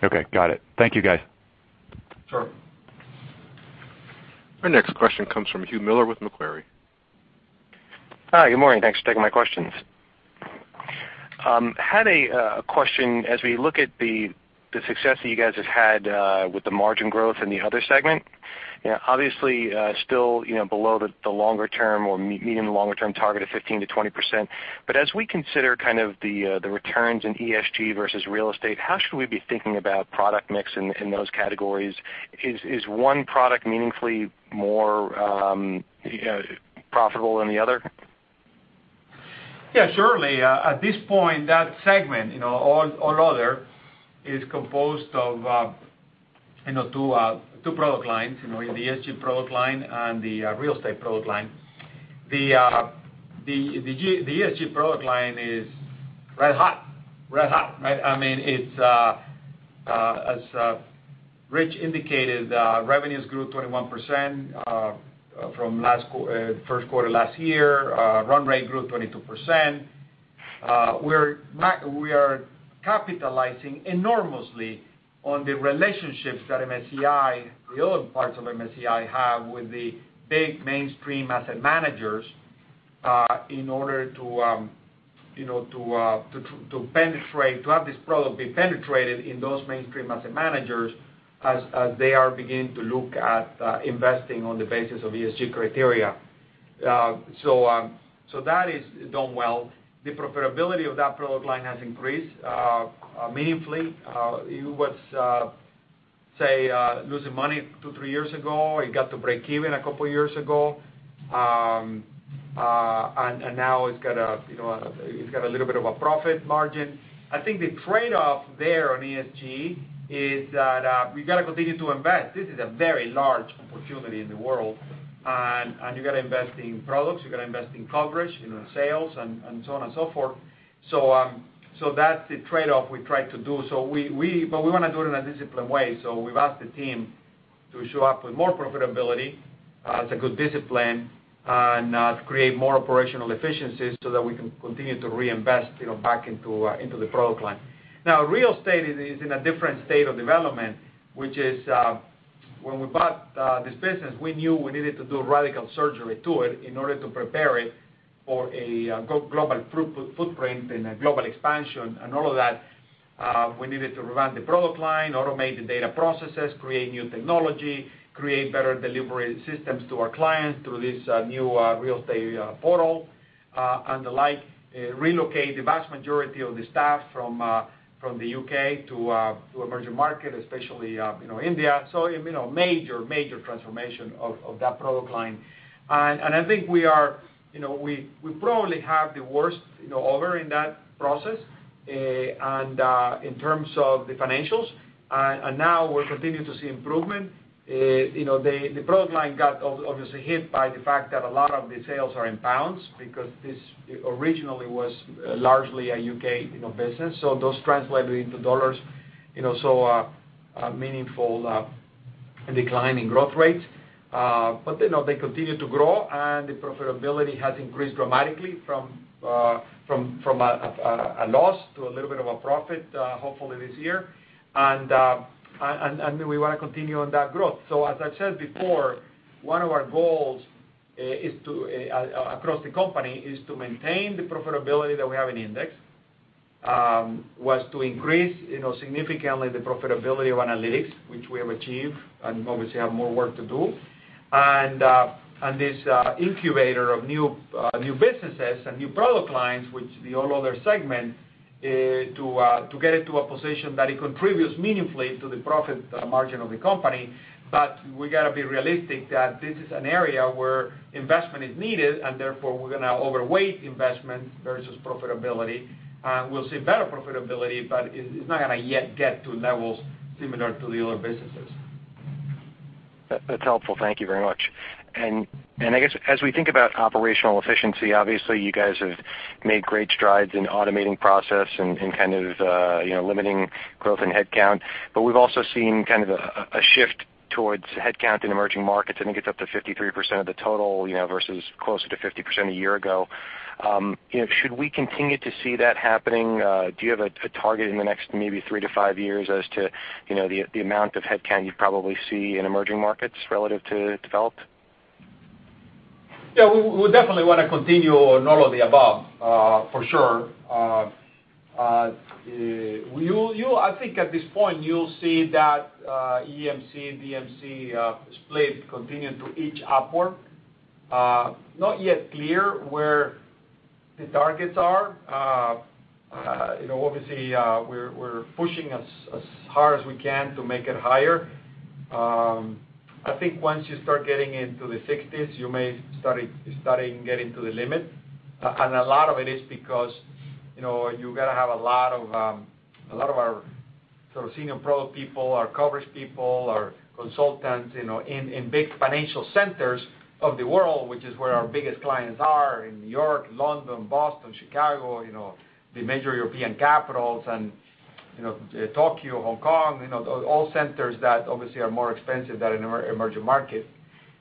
Okay, got it. Thank you, guys. Sure. Our next question comes from Hugh Miller with Macquarie. Hi. Good morning. Thanks for taking my questions. Had a question as we look at the success that you guys have had with the margin growth in the other segment. Obviously, still below the longer term or meeting the longer term target of 15%-20%. As we consider kind of the returns in ESG versus real estate, how should we be thinking about product mix in those categories? Is one product meaningfully more profitable than the other? Surely. At this point, that segment, all other, is composed of two product lines, the ESG product line and the real estate product line. The ESG product line is red hot. As Rich indicated, revenues grew 21% from first quarter last year. Run rate grew 22%. We are capitalizing enormously on the relationships that MSCI, the other parts of MSCI, have with the big mainstream asset managers in order to have this product be penetrated in those mainstream asset managers as they are beginning to look at investing on the basis of ESG criteria. That is doing well. The profitability of that product line has increased meaningfully. It was, say, losing money two, three years ago. It got to breakeven a couple years ago. Now it's got a little bit of a profit margin. I think the trade-off there on ESG is that we've got to continue to invest. This is a very large opportunity in the world, and you've got to invest in products, you've got to invest in coverage, in sales, and so on and so forth. That's the trade-off we tried to do. We want to do it in a disciplined way. We've asked the team to show up with more profitability as a good discipline and create more operational efficiencies so that we can continue to reinvest back into the product line. Real estate is in a different state of development, which is, when we bought this business, we knew we needed to do radical surgery to it in order to prepare it for a global footprint and a global expansion and all of that. We needed to revamp the product line, automate the data processes, create new technology, create better delivery systems to our clients through this new real estate portal, and the like. Relocate the vast majority of the staff from the U.K. to emerging markets, especially India. A major transformation of that product line. I think we probably have the worst over in that process, in terms of the financials, now we're continuing to see improvement. The product line got obviously hit by the fact that a lot of the sales are in pounds because this originally was largely a U.K. business. Those translating into dollars saw a meaningful decline in growth rates. They continue to grow, and the profitability has increased dramatically from a loss to a little bit of a profit, hopefully this year. We want to continue on that growth. As I said before, one of our goals across the company is to maintain the profitability that we have in Index, was to increase significantly the profitability of Analytics, which we have achieved and obviously have more work to do. This incubator of new businesses and new product lines, which is the All Other segment, to get it to a position that it contributes meaningfully to the profit margin of the company. We got to be realistic that this is an area where investment is needed, therefore, we're going to overweight investment versus profitability. We'll see better profitability, it's not going to yet get to levels similar to the other businesses. That's helpful. Thank you very much. I guess as we think about operational efficiency, obviously, you guys have made great strides in automating process and limiting growth in headcount, we've also seen a shift towards headcount in emerging markets. I think it's up to 53% of the total, versus closer to 50% a year ago. Should we continue to see that happening? Do you have a target in the next maybe three to five years as to the amount of headcount you probably see in emerging markets relative to developed? Yeah, we definitely want to continue on all of the above, for sure. I think at this point, you'll see that EM, DM split continuing to edge upward. Not yet clear where the targets are. Obviously, we're pushing as hard as we can to make it higher. I think once you start getting into the 60s, you may starting getting to the limit. A lot of it is because you got to have a lot of our sort of senior product people, our coverage people, our consultants in big financial centers of the world, which is where our biggest clients are in New York, London, Boston, Chicago, the major European capitals and Tokyo, Hong Kong. All centers that obviously are more expensive than in emerging markets.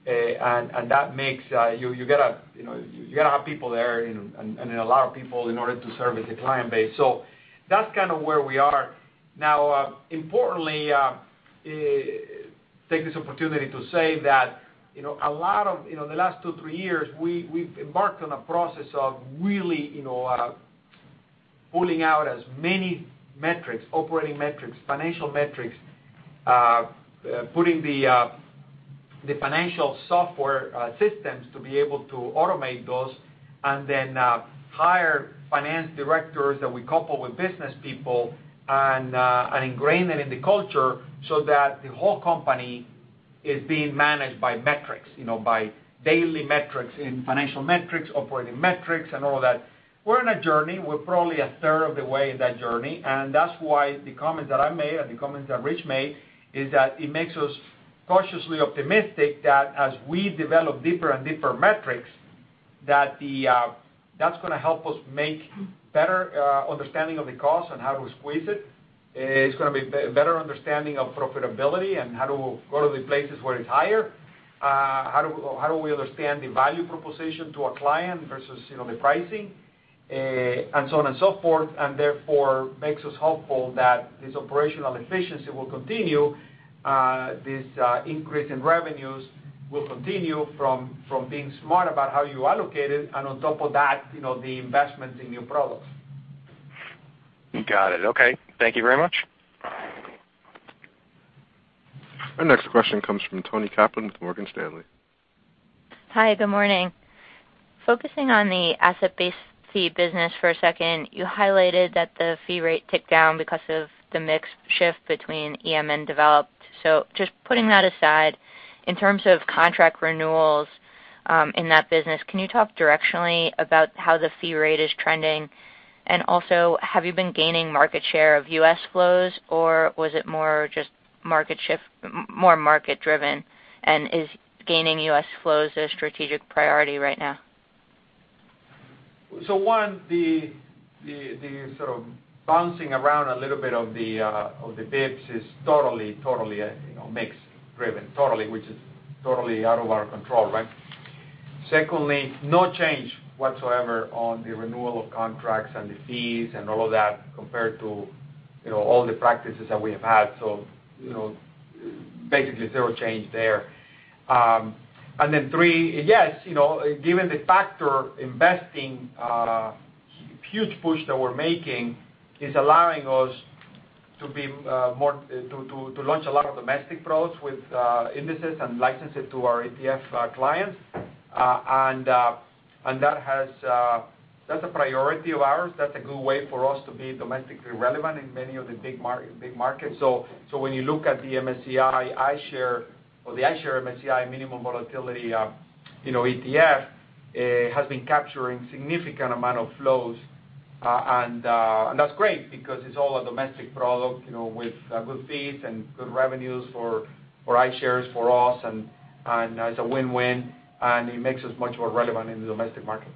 You got to have people there and a lot of people in order to service the client base. That's kind of where we are. Now, importantly, take this opportunity to say that the last two, three years, we've embarked on a process of really pulling out as many metrics, operating metrics, financial metrics, putting the financial software systems to be able to automate those, and then hire finance directors that we couple with business people and ingrain that in the culture so that the whole company is being managed by metrics, by daily metrics in financial metrics, operating metrics, and all of that. We're on a journey. We're probably a third of the way in that journey. That's why the comment that I made, and the comment that Rich made, is that it makes us cautiously optimistic that as we develop deeper and deeper metrics, that's going to help us make better understanding of the cost and how to squeeze it. It's going to be better understanding of profitability and how to go to the places where it's higher. How do we understand the value proposition to a client versus the pricing, and so on and so forth. Therefore, makes us hopeful that this operational efficiency will continue. This increase in revenues will continue from being smart about how you allocate it, and on top of that, the investments in new products. Got it. Okay. Thank you very much. Our next question comes from Toni Kaplan with Morgan Stanley. Hi, good morning. Focusing on the asset fee business for a second, you highlighted that the fee rate ticked down because of the mix shift between EM and developed. Just putting that aside, in terms of contract renewals in that business, can you talk directionally about how the fee rate is trending? Also, have you been gaining market share of U.S. flows, or was it more market-driven? Is gaining U.S. flows a strategic priority right now? One, the sort of bouncing around a little bit of the bps is totally mix-driven. Totally. Which is totally out of our control. No change whatsoever on the renewal of contracts and the fees and all of that compared to all the practices that we have had. Basically zero change there. Three, yes, given the factor investing huge push that we're making, is allowing us to launch a lot of domestic products with indices and license it to our ETF clients. That's a priority of ours. That's a good way for us to be domestically relevant in many of the big markets. When you look at the iShares MSCI minimum volatility ETF, it has been capturing significant amount of flows, and that's great because it's all a domestic product with good fees and good revenues for iShares, for us, and it's a win-win, and it makes us much more relevant in the domestic market.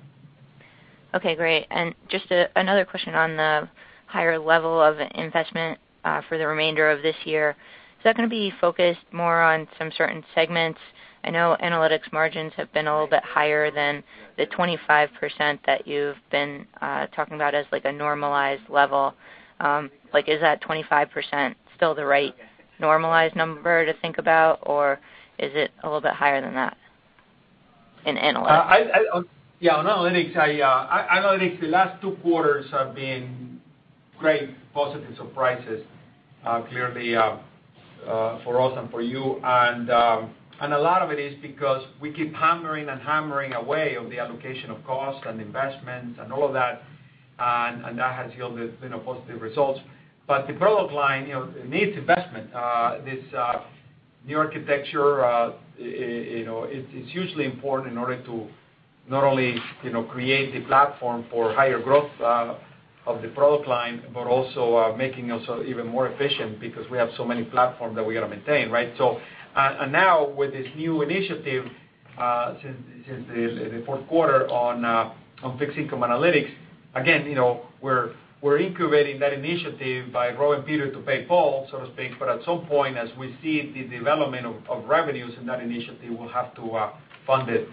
Okay, great. Just another question on the higher level of investment for the remainder of this year. Is that going to be focused more on some certain segments? I know analytics margins have been a little bit higher than the 25% that you've been talking about as a normalized level. Is that 25% still the right normalized number to think about, or is it a little bit higher than that in analytics? Yeah, on analytics, the last two quarters have been great positive surprises, clearly, for us and for you. A lot of it is because we keep hammering and hammering away of the allocation of cost and investments and all of that, and that has yielded positive results. The product line needs investment. This new architecture, it's hugely important in order to not only create the platform for higher growth of the product line, but also making us even more efficient because we have so many platforms that we've got to maintain. Now with this new initiative, since the fourth quarter on fixed income analytics, again, we're incubating that initiative by robbing Peter to pay Paul, so to speak. At some point, as we see the development of revenues in that initiative, we'll have to fund it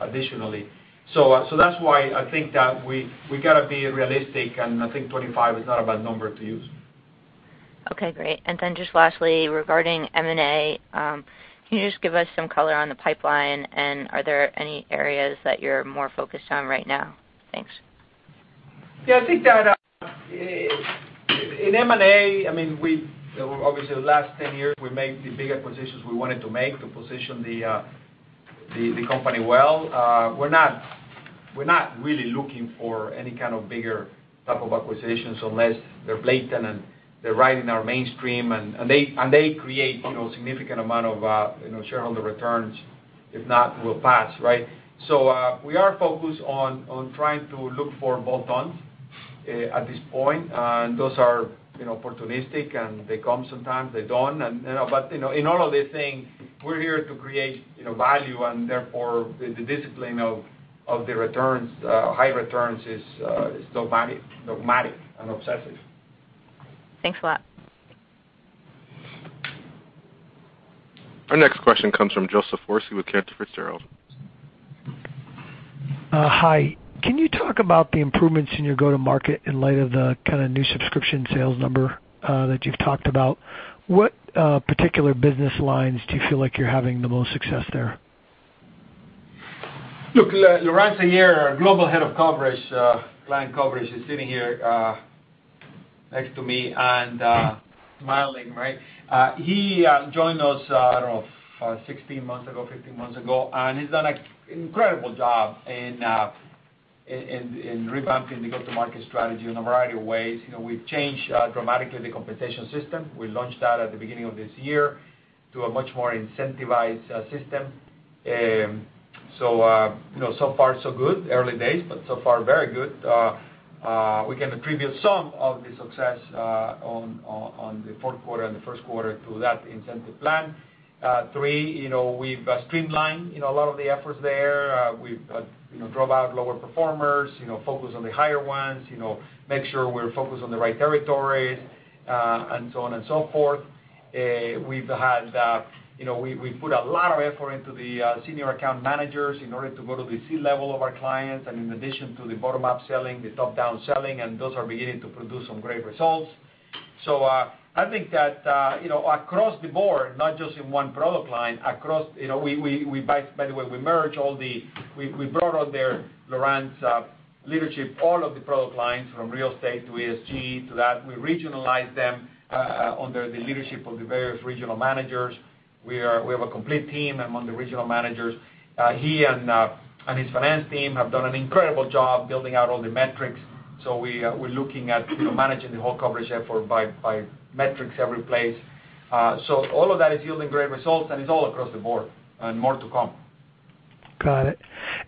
additionally. That's why I think that we got to be realistic, and I think 25 is not a bad number to use. Okay, great. Then just lastly, regarding M&A, can you just give us some color on the pipeline, and are there any areas that you're more focused on right now? Thanks. Yeah, I think that in M&A, obviously the last 10 years, we made the big acquisitions we wanted to make to position the company well. We're not really looking for any kind of bigger type of acquisitions unless they're blatant, and they're right in our mainstream, and they create significant amount of shareholder returns. If not, we'll pass. We are focused on trying to look for bolt-ons at this point. Those are opportunistic, and they come sometimes, they don't. In all of these things, we're here to create value and therefore the discipline of the high returns is dogmatic and obsessive. Thanks a lot. Our next question comes from Joseph Foresi with Cantor Fitzgerald. Hi. Can you talk about the improvements in your go-to-market in light of the new subscription sales number that you've talked about? What particular business lines do you feel like you're having the most success there? Look, Laurent Seyer, our Global Head of Client Coverage, is sitting here next to me and smiling. He joined us, I don't know, 16 months ago, 15 months ago, and he's done an incredible job in revamping the go-to-market strategy in a variety of ways. We've changed dramatically the compensation system. We launched that at the beginning of this year to a much more incentivized system. So far so good. Early days, but so far, very good. We can attribute some of the success on the fourth quarter and the first quarter to that incentive plan. Three, we've streamlined a lot of the efforts there. We've drove out lower performers, focused on the higher ones, made sure we're focused on the right territories, and so on and so forth. We've put a lot of effort into the senior account managers in order to go to the C-level of our clients, in addition to the bottom-up selling, the top-down selling, and those are beginning to produce some great results. I think that across the board, not just in one product line. By the way, we brought out there, Laurent's leadership, all of the product lines from real estate to ESG, to that. We regionalized them under the leadership of the various regional managers. We have a complete team among the regional managers. He and his finance team have done an incredible job building out all the metrics. We're looking at managing the whole coverage effort by metrics every place. All of that is yielding great results, and it's all across the board, and more to come. Got it.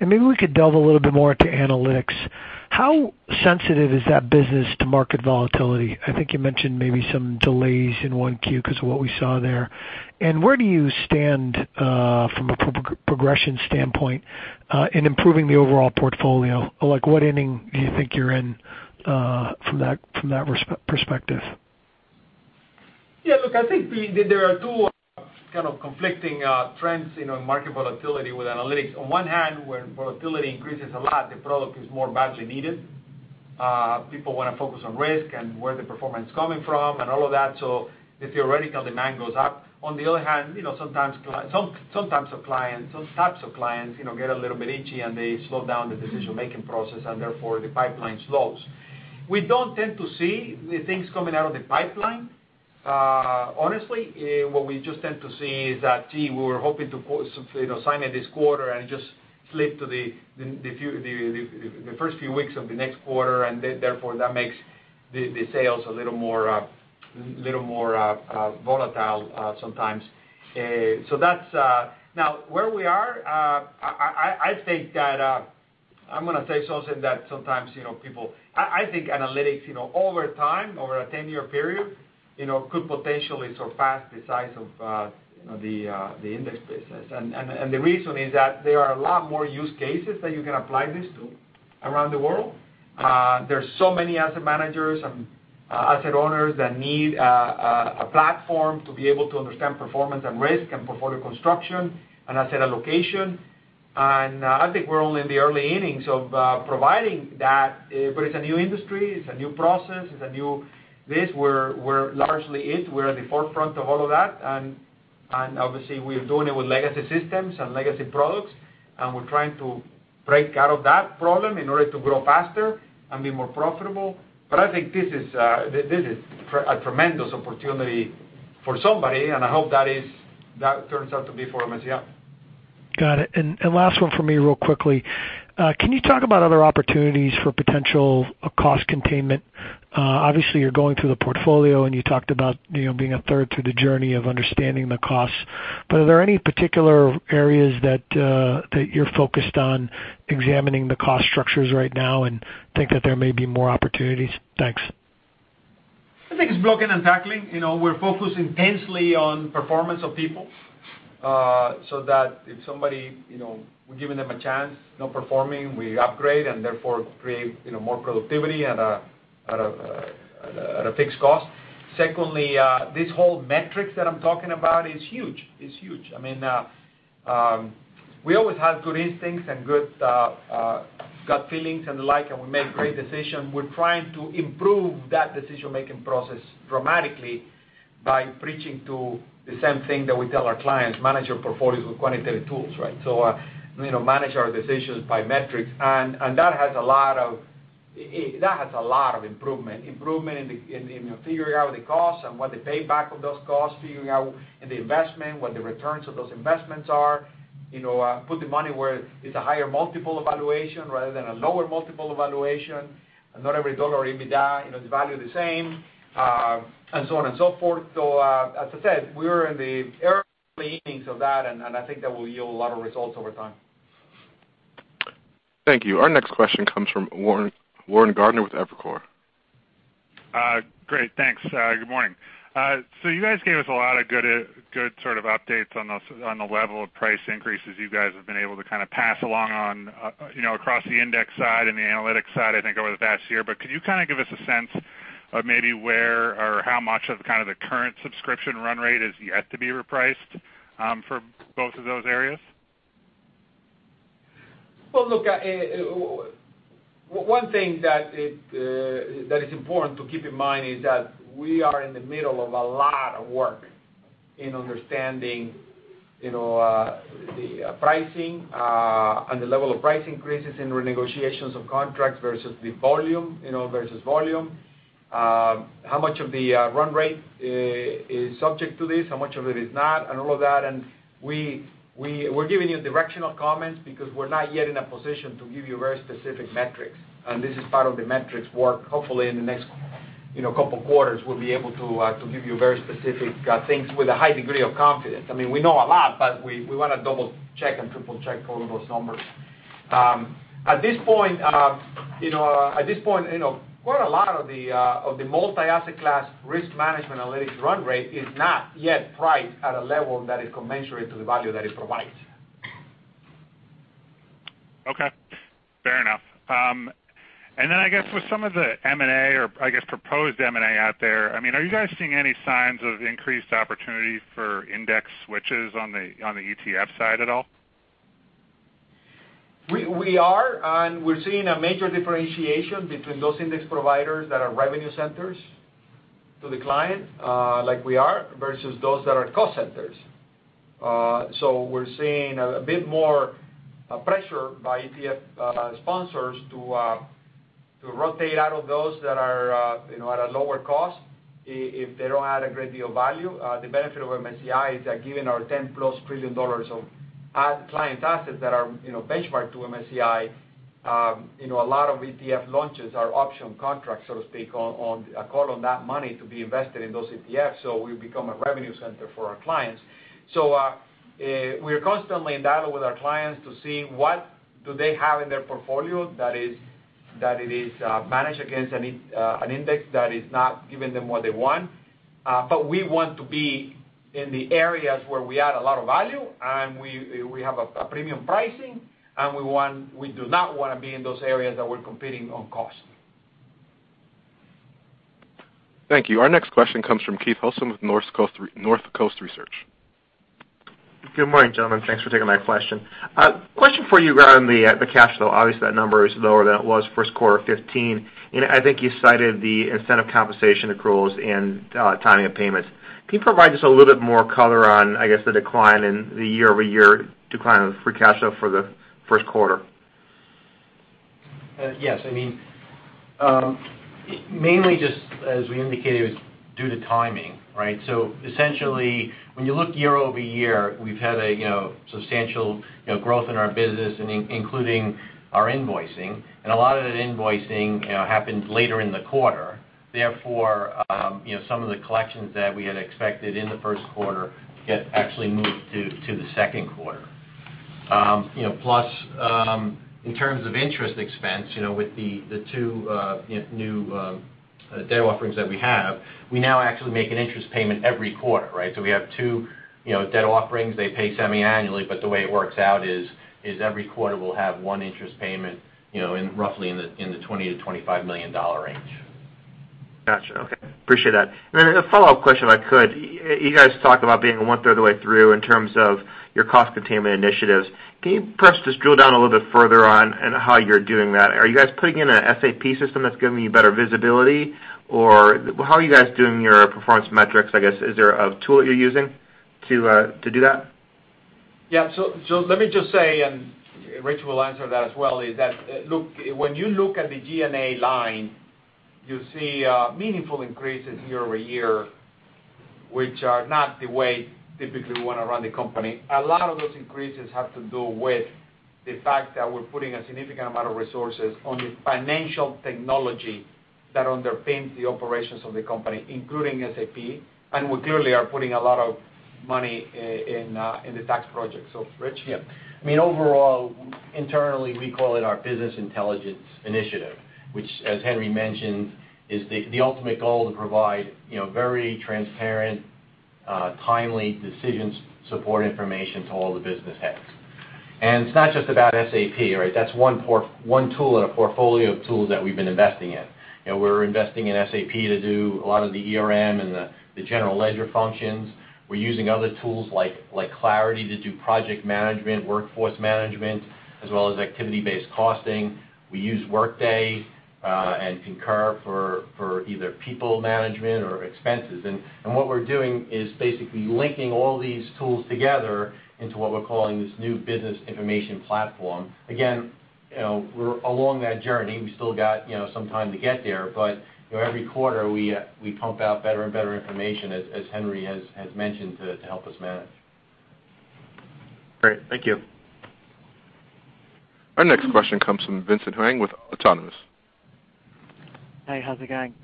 Maybe we could delve a little bit more into analytics. How sensitive is that business to market volatility? I think you mentioned maybe some delays in 1Q because of what we saw there. Where do you stand, from a progression standpoint, in improving the overall portfolio? What inning do you think you're in from that perspective? Yeah, look, I think there are two kind of conflicting trends in market volatility with analytics. On one hand, when volatility increases a lot, the product is more badly needed. People want to focus on risk and where the performance is coming from and all of that. Theoretically, the demand goes up. On the other hand, sometimes some types of clients get a little bit itchy, and they slow down the decision-making process, and therefore, the pipeline slows. We don't tend to see the things coming out of the pipeline. Honestly, what we just tend to see is that, gee, we were hoping to sign it this quarter and it just slipped to the first few weeks of the next quarter, and therefore, that makes the sales a little more volatile sometimes. I think analytics over time, over a 10-year period, could potentially surpass the size of the index business. The reason is that there are a lot more use cases that you can apply this to around the world. There's so many asset managers and asset owners that need a platform to be able to understand performance and risk and portfolio construction and asset allocation. I think we're only in the early innings of providing that. It's a new industry, it's a new process, it's a new this. We're largely it. We're at the forefront of all of that. Obviously, we are doing it with legacy systems and legacy products. We're trying to break out of that problem in order to grow faster and be more profitable. I think this is a tremendous opportunity for somebody, and I hope that turns out to be for MSCI. Got it. Last one from me real quickly. Can you talk about other opportunities for potential cost containment? Obviously, you're going through the portfolio, and you talked about being a third through the journey of understanding the costs. Are there any particular areas that you're focused on examining the cost structures right now and think that there may be more opportunities? Thanks. I think it's blocking and tackling. We're focused intensely on performance of people, so that if somebody, we're giving them a chance, not performing, we upgrade and therefore create more productivity at a fixed cost. Secondly, this whole metrics that I'm talking about is huge. We always have good instincts and good gut feelings and the like, and we make great decisions. We're trying to improve that decision-making process dramatically by preaching to the same thing that we tell our clients, manage your portfolios with quantitative tools, right? Manage our decisions by metrics, and that has a lot of improvement. Improvement in figuring out the costs and what the payback of those costs, figuring out in the investment, what the returns of those investments are. Put the money where it's a higher multiple valuation rather than a lower multiple evaluation. Not every dollar or EBITDA is valued the same, and so on and so forth. As I said, we're in the early innings of that, and I think that will yield a lot of results over time. Thank you. Our next question comes from Warren Gardiner with Evercore. Great. Thanks. Good morning. You guys gave us a lot of good sort of updates on the level of price increases you guys have been able to kind of pass along on across the index side and the analytics side, I think, over the past year. Could you kind of give us a sense of maybe where or how much of the current subscription run rate is yet to be repriced for both of those areas? Well, look, one thing that is important to keep in mind is that we are in the middle of a lot of work in understanding the pricing and the level of price increases in renegotiations of contracts versus the volume. How much of the run rate is subject to this, how much of it is not, and all of that. We're giving you directional comments because we're not yet in a position to give you very specific metrics, and this is part of the metrics work. Hopefully, in the next couple of quarters, we'll be able to give you very specific things with a high degree of confidence. We know a lot, but we want to double-check and triple-check all of those numbers. At this point, quite a lot of the multi-asset class risk management analytics run rate is not yet priced at a level that is commensurate to the value that it provides. Fair enough. Then I guess with some of the M&A or proposed M&A out there, are you guys seeing any signs of increased opportunity for index switches on the ETF side at all? We are, and we're seeing a major differentiation between those index providers that are revenue centers to the client, like we are, versus those that are cost centers. We're seeing a bit more pressure by ETF sponsors to rotate out of those that are at a lower cost if they don't add a great deal of value. The benefit of MSCI is that given our $10-plus trillion of client assets that are benchmarked to MSCI, a lot of ETF launches are option contracts, so to speak, on a call on that money to be invested in those ETFs, so we've become a revenue center for our clients. We are constantly in dialogue with our clients to see what do they have in their portfolio that it is managed against an index that is not giving them what they want. We want to be in the areas where we add a lot of value, and we have a premium pricing, and we do not want to be in those areas that we're competing on cost. Thank you. Our next question comes from Keith Housum with Northcoast Research. Good morning, gentlemen. Thanks for taking my question. Question for you around the cash flow. Obviously, that number is lower than it was first quarter 2015. I think you cited the incentive compensation accruals and timing of payments. Can you provide just a little bit more color on, I guess, the decline in the year-over-year decline of free cash flow for the first quarter? Yes. Mainly just as we indicated, it was due to timing, right? Essentially, when you look year-over-year, we've had a substantial growth in our business, including our invoicing. A lot of that invoicing happened later in the quarter. Therefore, some of the collections that we had expected in the first quarter get actually moved to the second quarter. Plus, in terms of interest expense with the two new debt offerings that we have, we now actually make an interest payment every quarter, right? We have two debt offerings. They pay semi-annually, but the way it works out is every quarter we'll have one interest payment roughly in the $20 million-$25 million range. Got you. Okay. Appreciate that. Then a follow-up question, if I could. You guys talked about being one third of the way through in terms of your cost containment initiatives. Can you perhaps just drill down a little bit further on how you're doing that? Are you guys putting in an SAP system that's giving you better visibility? How are you guys doing your performance metrics, I guess? Is there a tool that you're using to do that? Yeah. Let me just say, and Rich will answer that as well, is that when you look at the G&A line, you see meaningful increases year-over-year, which are not the way typically we want to run the company. A lot of those increases have to do with the fact that we're putting a significant amount of resources on the financial technology that underpins the operations of the company, including SAP, and we clearly are putting a lot of money in the tax project. Rich? Yeah. Overall, internally, we call it our business intelligence initiative, which, as Henry mentioned, is the ultimate goal to provide very transparent, timely decisions, support information to all the business heads. It's not just about SAP, right? That's one tool in a portfolio of tools that we've been investing in. We're investing in SAP to do a lot of the ERP and the general ledger functions. We're using other tools like Clarity to do project management, workforce management, as well as activity-based costing. We use Workday and Concur for either people management or expenses. What we're doing is basically linking all these tools together into what we're calling this new business information platform. Again, we're along that journey. We've still got some time to get there, but every quarter, we pump out better and better information, as Henry has mentioned, to help us manage. Great. Thank you. Our next question comes from Vincent Huang with Autonomous. Hey, how's it going?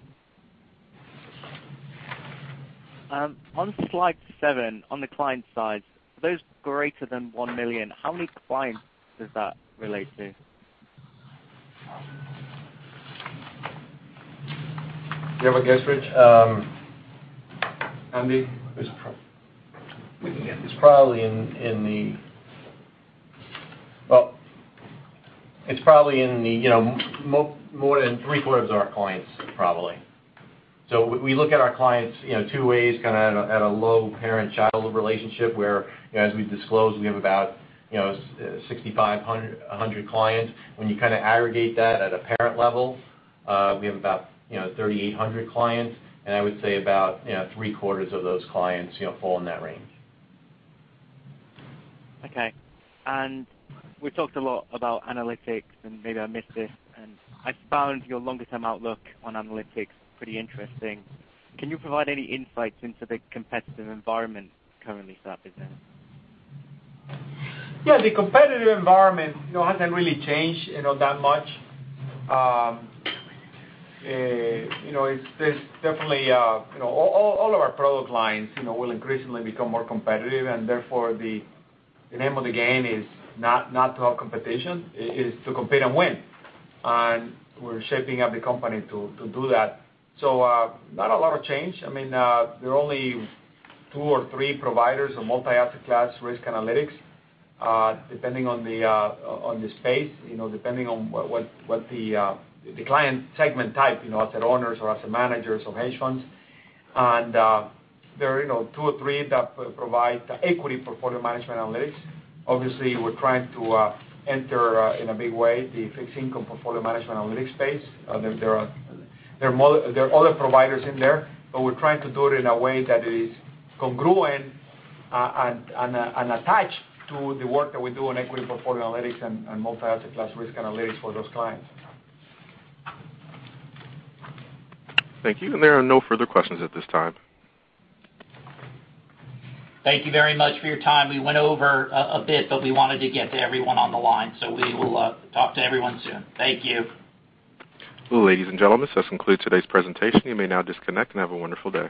On slide seven, on the client side, those greater than $1 million, how many clients does that relate to? Do you have a guess, Rich? Andy? It's probably in the more than three-quarters of our clients, probably. We look at our clients two ways, kind of at a low parent-child relationship, where, as we disclose, we have about 6,500 clients. When you aggregate that at a parent level, we have about 3,800 clients, and I would say about three-quarters of those clients fall in that range. Okay. We talked a lot about analytics, and maybe I missed it, and I found your longer-term outlook on analytics pretty interesting. Can you provide any insights into the competitive environment currently for that business? Yeah, the competitive environment hasn't really changed that much. All of our product lines will increasingly become more competitive, therefore, the name of the game is not to have competition. It is to compete and win. We're shaping up the company to do that. Not a lot of change. There are only two or three providers of multi-asset class risk analytics, depending on the space, depending on what the client segment type, asset owners or asset managers of hedge funds. There are two or three that provide equity portfolio management analytics. Obviously, we're trying to enter in a big way the fixed income portfolio management analytics space. There are other providers in there, but we're trying to do it in a way that is congruent and attached to the work that we do on equity portfolio analytics and multi-asset class risk analytics for those clients. Thank you. There are no further questions at this time. Thank you very much for your time. We went over a bit, we wanted to get to everyone on the line, we will talk to everyone soon. Thank you. Ladies and gentlemen, this concludes today's presentation. You may now disconnect and have a wonderful day.